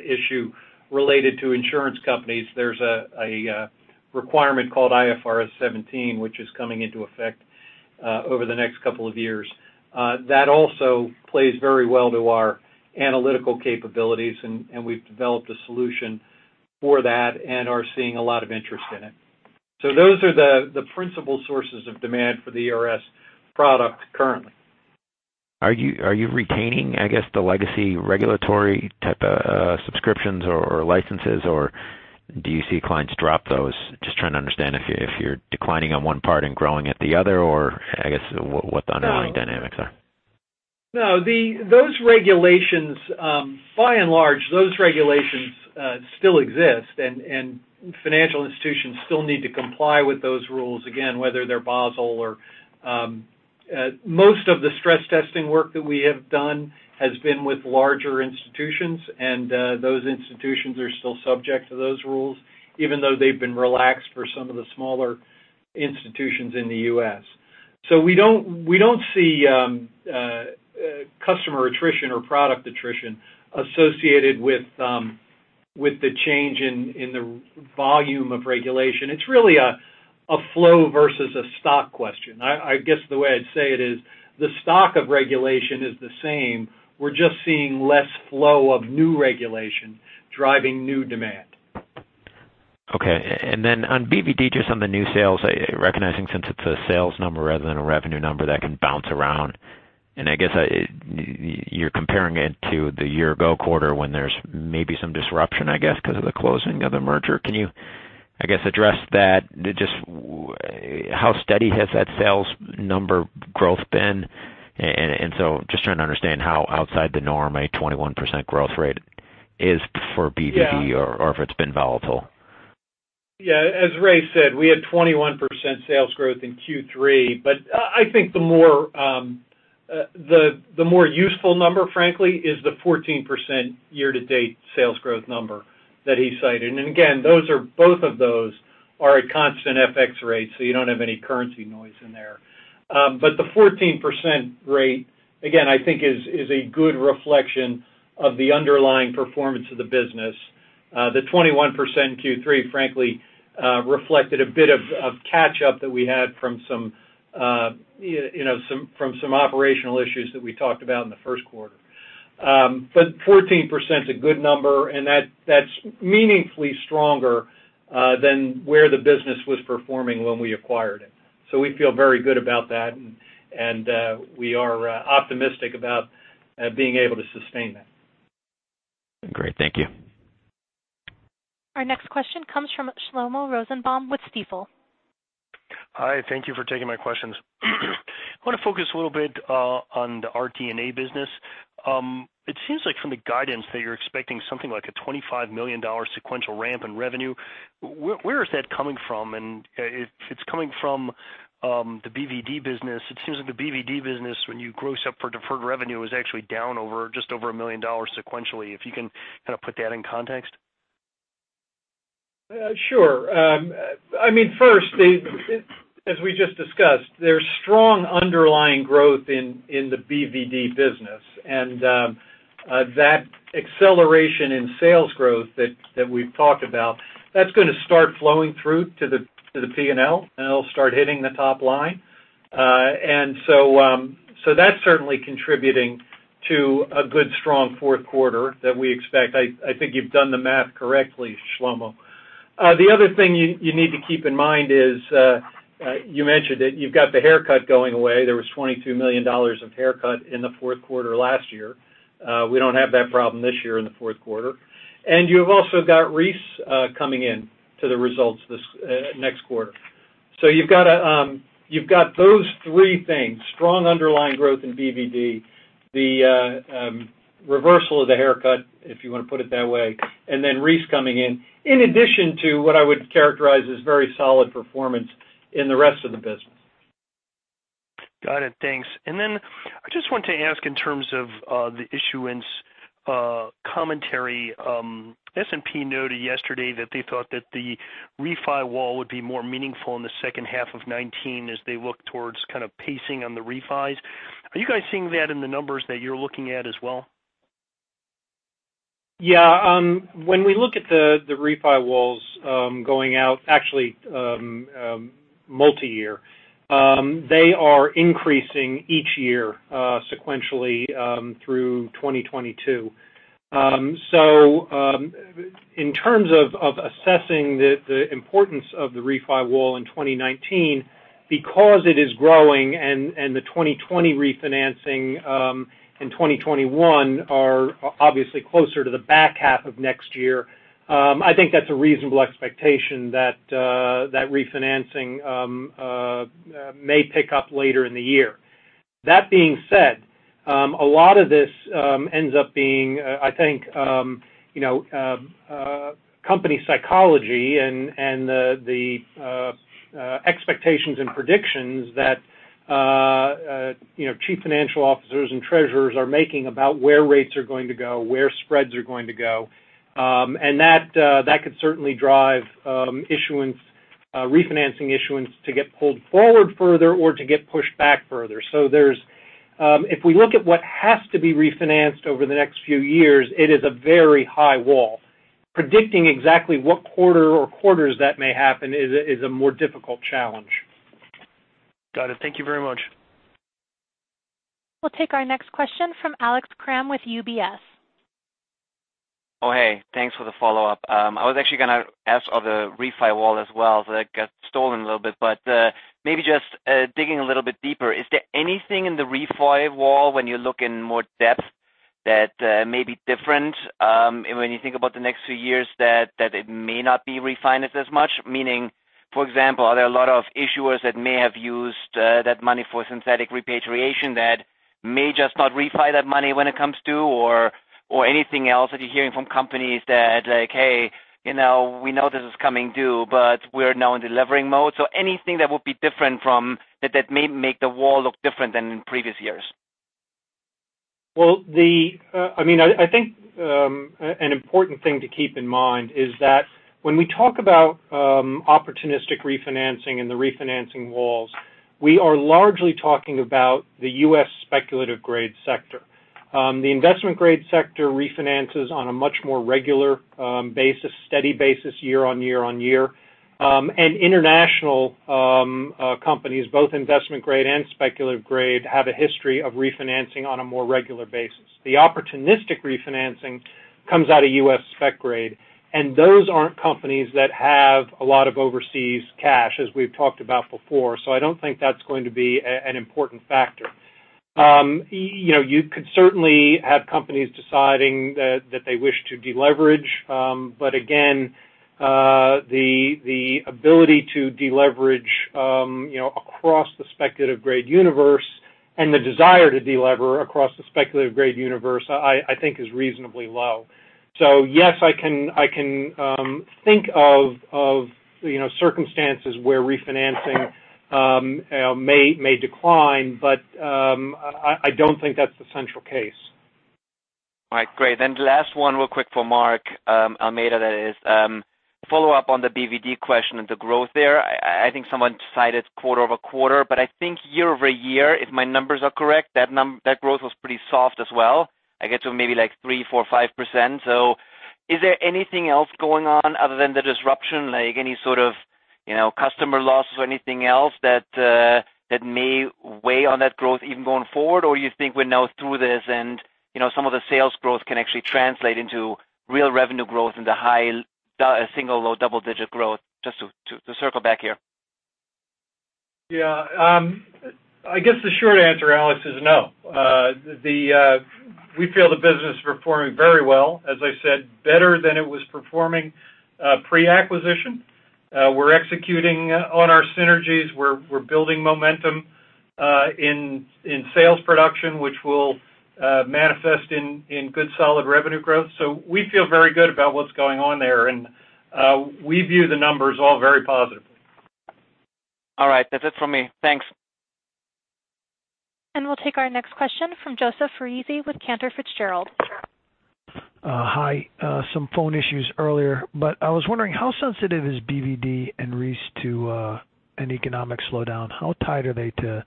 issue related to insurance companies. There's a requirement called IFRS 17, which is coming into effect over the next couple of years. That also plays very well to our analytical capabilities, and we've developed a solution for that and are seeing a lot of interest in it. Those are the principal sources of demand for the ERS product currently. Are you retaining, I guess, the legacy regulatory type of subscriptions or licenses, or do you see clients drop those? Just trying to understand if you're declining on one part and growing at the other, or, I guess, what the underlying dynamics are. No. By and large, those regulations still exist, and financial institutions still need to comply with those rules, again, whether they're Basel or-- Most of the stress testing work that we have done has been with larger institutions, and those institutions are still subject to those rules, even though they've been relaxed for some of the smaller institutions in the U.S. We don't see customer attrition or product attrition associated with the change in the volume of regulation. It's really a flow versus a stock question. I guess the way I'd say it is the stock of regulation is the same. We're just seeing less flow of new regulation driving new demand. Okay. On BVD, just on the new sales, recognizing since it's a sales number rather than a revenue number, that can bounce around. I guess you're comparing it to the year ago quarter when there's maybe some disruption, I guess, because of the closing of the merger. Can you, I guess, address that? Just how steady has that sales number growth been? Just trying to understand how outside the norm a 21% growth rate is for BVD? Yeah or if it's been volatile. Yeah. As Ray said, we had 21% sales growth in Q3. I think the more useful number, frankly, is the 14% year to date sales growth number that he cited. Again, both of those are at constant FX rates, so you don't have any currency noise in there. The 14% rate, again, I think is a good reflection of the underlying performance of the business. The 21% Q3 frankly reflected a bit of catch-up that we had from some operational issues that we talked about in the first quarter. 14% is a good number, and that's meaningfully stronger than where the business was performing when we acquired it. We feel very good about that, and we are optimistic about being able to sustain that. Great. Thank you. Our next question comes from Shlomo Rosenbaum with Stifel. Hi. Thank you for taking my questions. I want to focus a little bit on the RD&A business. It seems like from the guidance that you're expecting something like a $25 million sequential ramp in revenue. Where is that coming from? If it's coming from the BVD business, it seems like the BVD business, when you gross up for deferred revenue, is actually down just over $1 million sequentially. If you can kind of put that in context. Sure. First, as we just discussed, there's strong underlying growth in the BVD business. That acceleration in sales growth that we've talked about, that's going to start flowing through to the P&L, and it'll start hitting the top line. That's certainly contributing to a good strong fourth quarter that we expect. I think you've done the math correctly, Shlomo. The other thing you need to keep in mind is, you mentioned it, you've got the haircut going away. There was $22 million of haircut in the fourth quarter last year. We don't have that problem this year in the fourth quarter. You've also got Reis coming in to the results next quarter. You've got those three things, strong underlying growth in BVD, the reversal of the haircut, if you want to put it that way, Reis coming in addition to what I would characterize as very solid performance in the rest of the business. Got it. Thanks. I just want to ask in terms of the issuance commentary. S&P noted yesterday that they thought that the refi wall would be more meaningful in the second half of 2019 as they look towards kind of pacing on the refis. Are you guys seeing that in the numbers that you're looking at as well? Yeah. When we look at the refi walls going out actually multi-year they are increasing each year sequentially through 2022. In terms of assessing the importance of the refi wall in 2019 because it is growing and the 2020 refinancing and 2021 are obviously closer to the back half of next year, I think that's a reasonable expectation that refinancing may pick up later in the year. That being said, a lot of this ends up being company psychology and the expectations and predictions that Chief Financial Officers and treasurers are making about where rates are going to go, where spreads are going to go. That could certainly drive refinancing issuance to get pulled forward further or to get pushed back further. If we look at what has to be refinanced over the next few years, it is a very high wall. Predicting exactly what quarter or quarters that may happen is a more difficult challenge. Got it. Thank you very much. We'll take our next question from Alex Kramm with UBS. Oh, hey. Thanks for the follow-up. I was actually going to ask of the refi wall as well, so that got stolen a little bit. Maybe just digging a little bit deeper, is there anything in the refi wall when you look in more depth that may be different when you think about the next few years that it may not be refinanced as much? Meaning, for example, are there a lot of issuers that may have used that money for synthetic repatriation that may just not refi that money when it comes due? Anything else that you're hearing from companies that like, "Hey, we know this is coming due, but we're now in deleveraging mode." Anything that will be different that may make the wall look different than in previous years? I think an important thing to keep in mind is that when we talk about opportunistic refinancing and the refinancing walls, we are largely talking about the U.S. speculative grade sector. The investment grade sector refinances on a much more regular basis, steady basis, year on year on year. International companies, both investment grade and speculative grade, have a history of refinancing on a more regular basis. The opportunistic refinancing comes out of U.S. spec grade, and those aren't companies that have a lot of overseas cash, as we've talked about before. I don't think that's going to be an important factor. You could certainly have companies deciding that they wish to deleverage. Again, the ability to deleverage across the speculative grade universe and the desire to delever across the speculative grade universe, I think is reasonably low. Yes, I can think of circumstances where refinancing may decline, but I don't think that's the central case. All right, great. The last one real quick for Mark Almeida then is. Follow-up on the Bureau van Dijk question and the growth there. I think someone cited quarter-over-quarter, but I think year-over-year, if my numbers are correct, that growth was pretty soft as well, I guess to maybe 3%, 4%, 5%. Is there anything else going on other than the disruption, like any sort of customer losses or anything else that may weigh on that growth even going forward? You think we're now through this and some of the sales growth can actually translate into real revenue growth in the high single or low double-digit growth, just to circle back here? Yeah. I guess the short answer, Alex, is no. We feel the business is performing very well, as I said, better than it was performing pre-acquisition. We're executing on our synergies. We're building momentum in sales production, which will manifest in good, solid revenue growth. We feel very good about what's going on there, and we view the numbers all very positively. All right. That's it for me. Thanks. We'll take our next question from Joseph Foresi with Cantor Fitzgerald. Hi. Some phone issues earlier, but I was wondering how sensitive is Bureau van Dijk and Reis to an economic slowdown? How tied are they to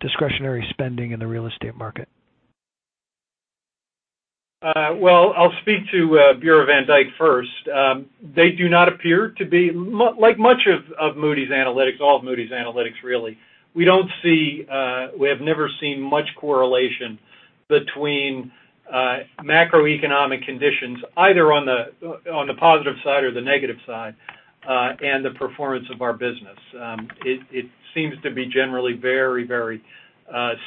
discretionary spending in the real estate market? Well, I'll speak to Bureau van Dijk first. They do not appear to be, like much of Moody's Analytics, all of Moody's Analytics really. We have never seen much correlation between macroeconomic conditions, either on the positive side or the negative side, and the performance of our business. It seems to be generally very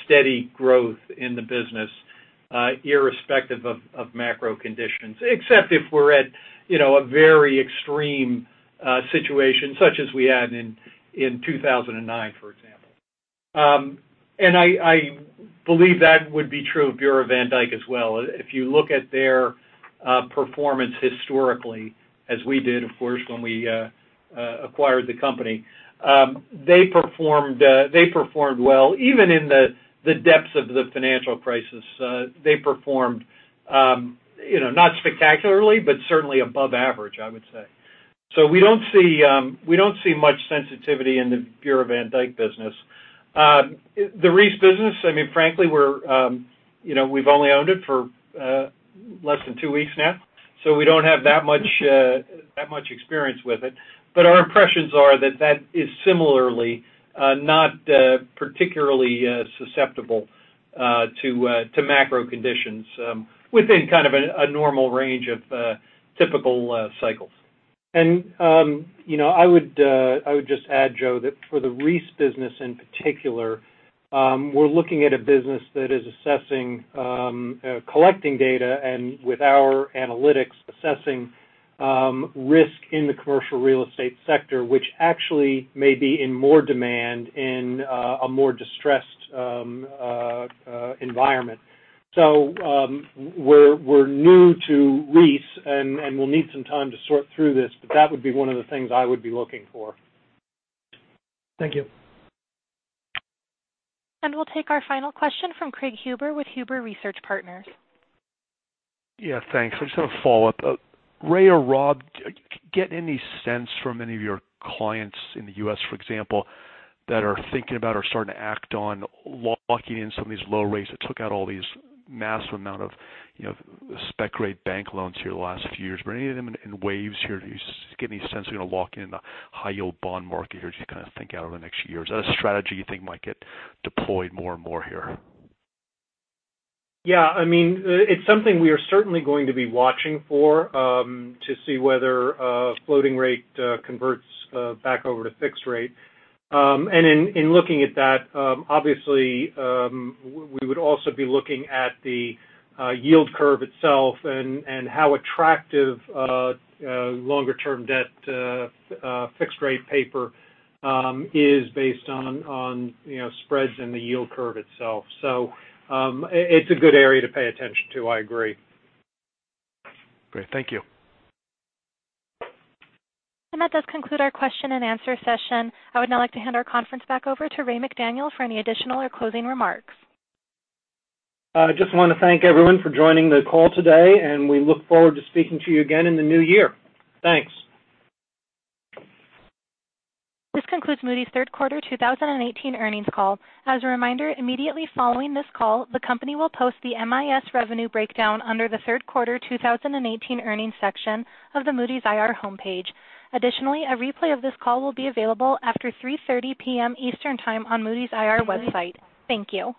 steady growth in the business, irrespective of macro conditions, except if we're at a very extreme situation, such as we had in 2009, for example. I believe that would be true of Bureau van Dijk as well. If you look at their performance historically as we did, of course, when we acquired the company. They performed well, even in the depths of the financial crisis. They performed not spectacularly, but certainly above average, I would say. We don't see much sensitivity in the Bureau van Dijk business. The Reis business, frankly, we've only owned it for less than two weeks now, we don't have that much experience with it. Our impressions are that that is similarly not particularly susceptible to macro conditions within kind of a normal range of typical cycles. I would just add, Joe, that for the Reis business in particular, we're looking at a business that is collecting data and, with our analytics, assessing risk in the commercial real estate sector, which actually may be in more demand in a more distressed environment. We're new to Reis, and we'll need some time to sort through this, but that would be one of the things I would be looking for. Thank you. We'll take our final question from Craig Huber with Huber Research Partners. Yeah, thanks. I just have a follow-up. Ray or Rob, get any sense from any of your clients in the U.S., for example, that are thinking about or starting to act on locking in some of these low rates that took out all these massive amount of spec grade bank loans here the last few years? Were any of them in waves here? Do you get any sense they're going to lock in the high yield bond market as you kind of think out over the next few years? Is that a strategy you think might get deployed more and more here? Yeah. It's something we are certainly going to be watching for to see whether a floating rate converts back over to fixed rate. In looking at that, obviously, we would also be looking at the yield curve itself and how attractive longer-term debt fixed-rate paper is based on spreads in the yield curve itself. It's a good area to pay attention to, I agree. Great. Thank you. That does conclude our question and answer session. I would now like to hand our conference back over to Raymond McDaniel for any additional or closing remarks. I just want to thank everyone for joining the call today, and we look forward to speaking to you again in the new year. Thanks. This concludes Moody's third quarter 2018 earnings call. As a reminder, immediately following this call, the company will post the MIS revenue breakdown under the third quarter 2018 earnings section of the Moody's IR homepage. Additionally, a replay of this call will be available after 3:30 P.M. Eastern Time on Moody's IR website. Thank you.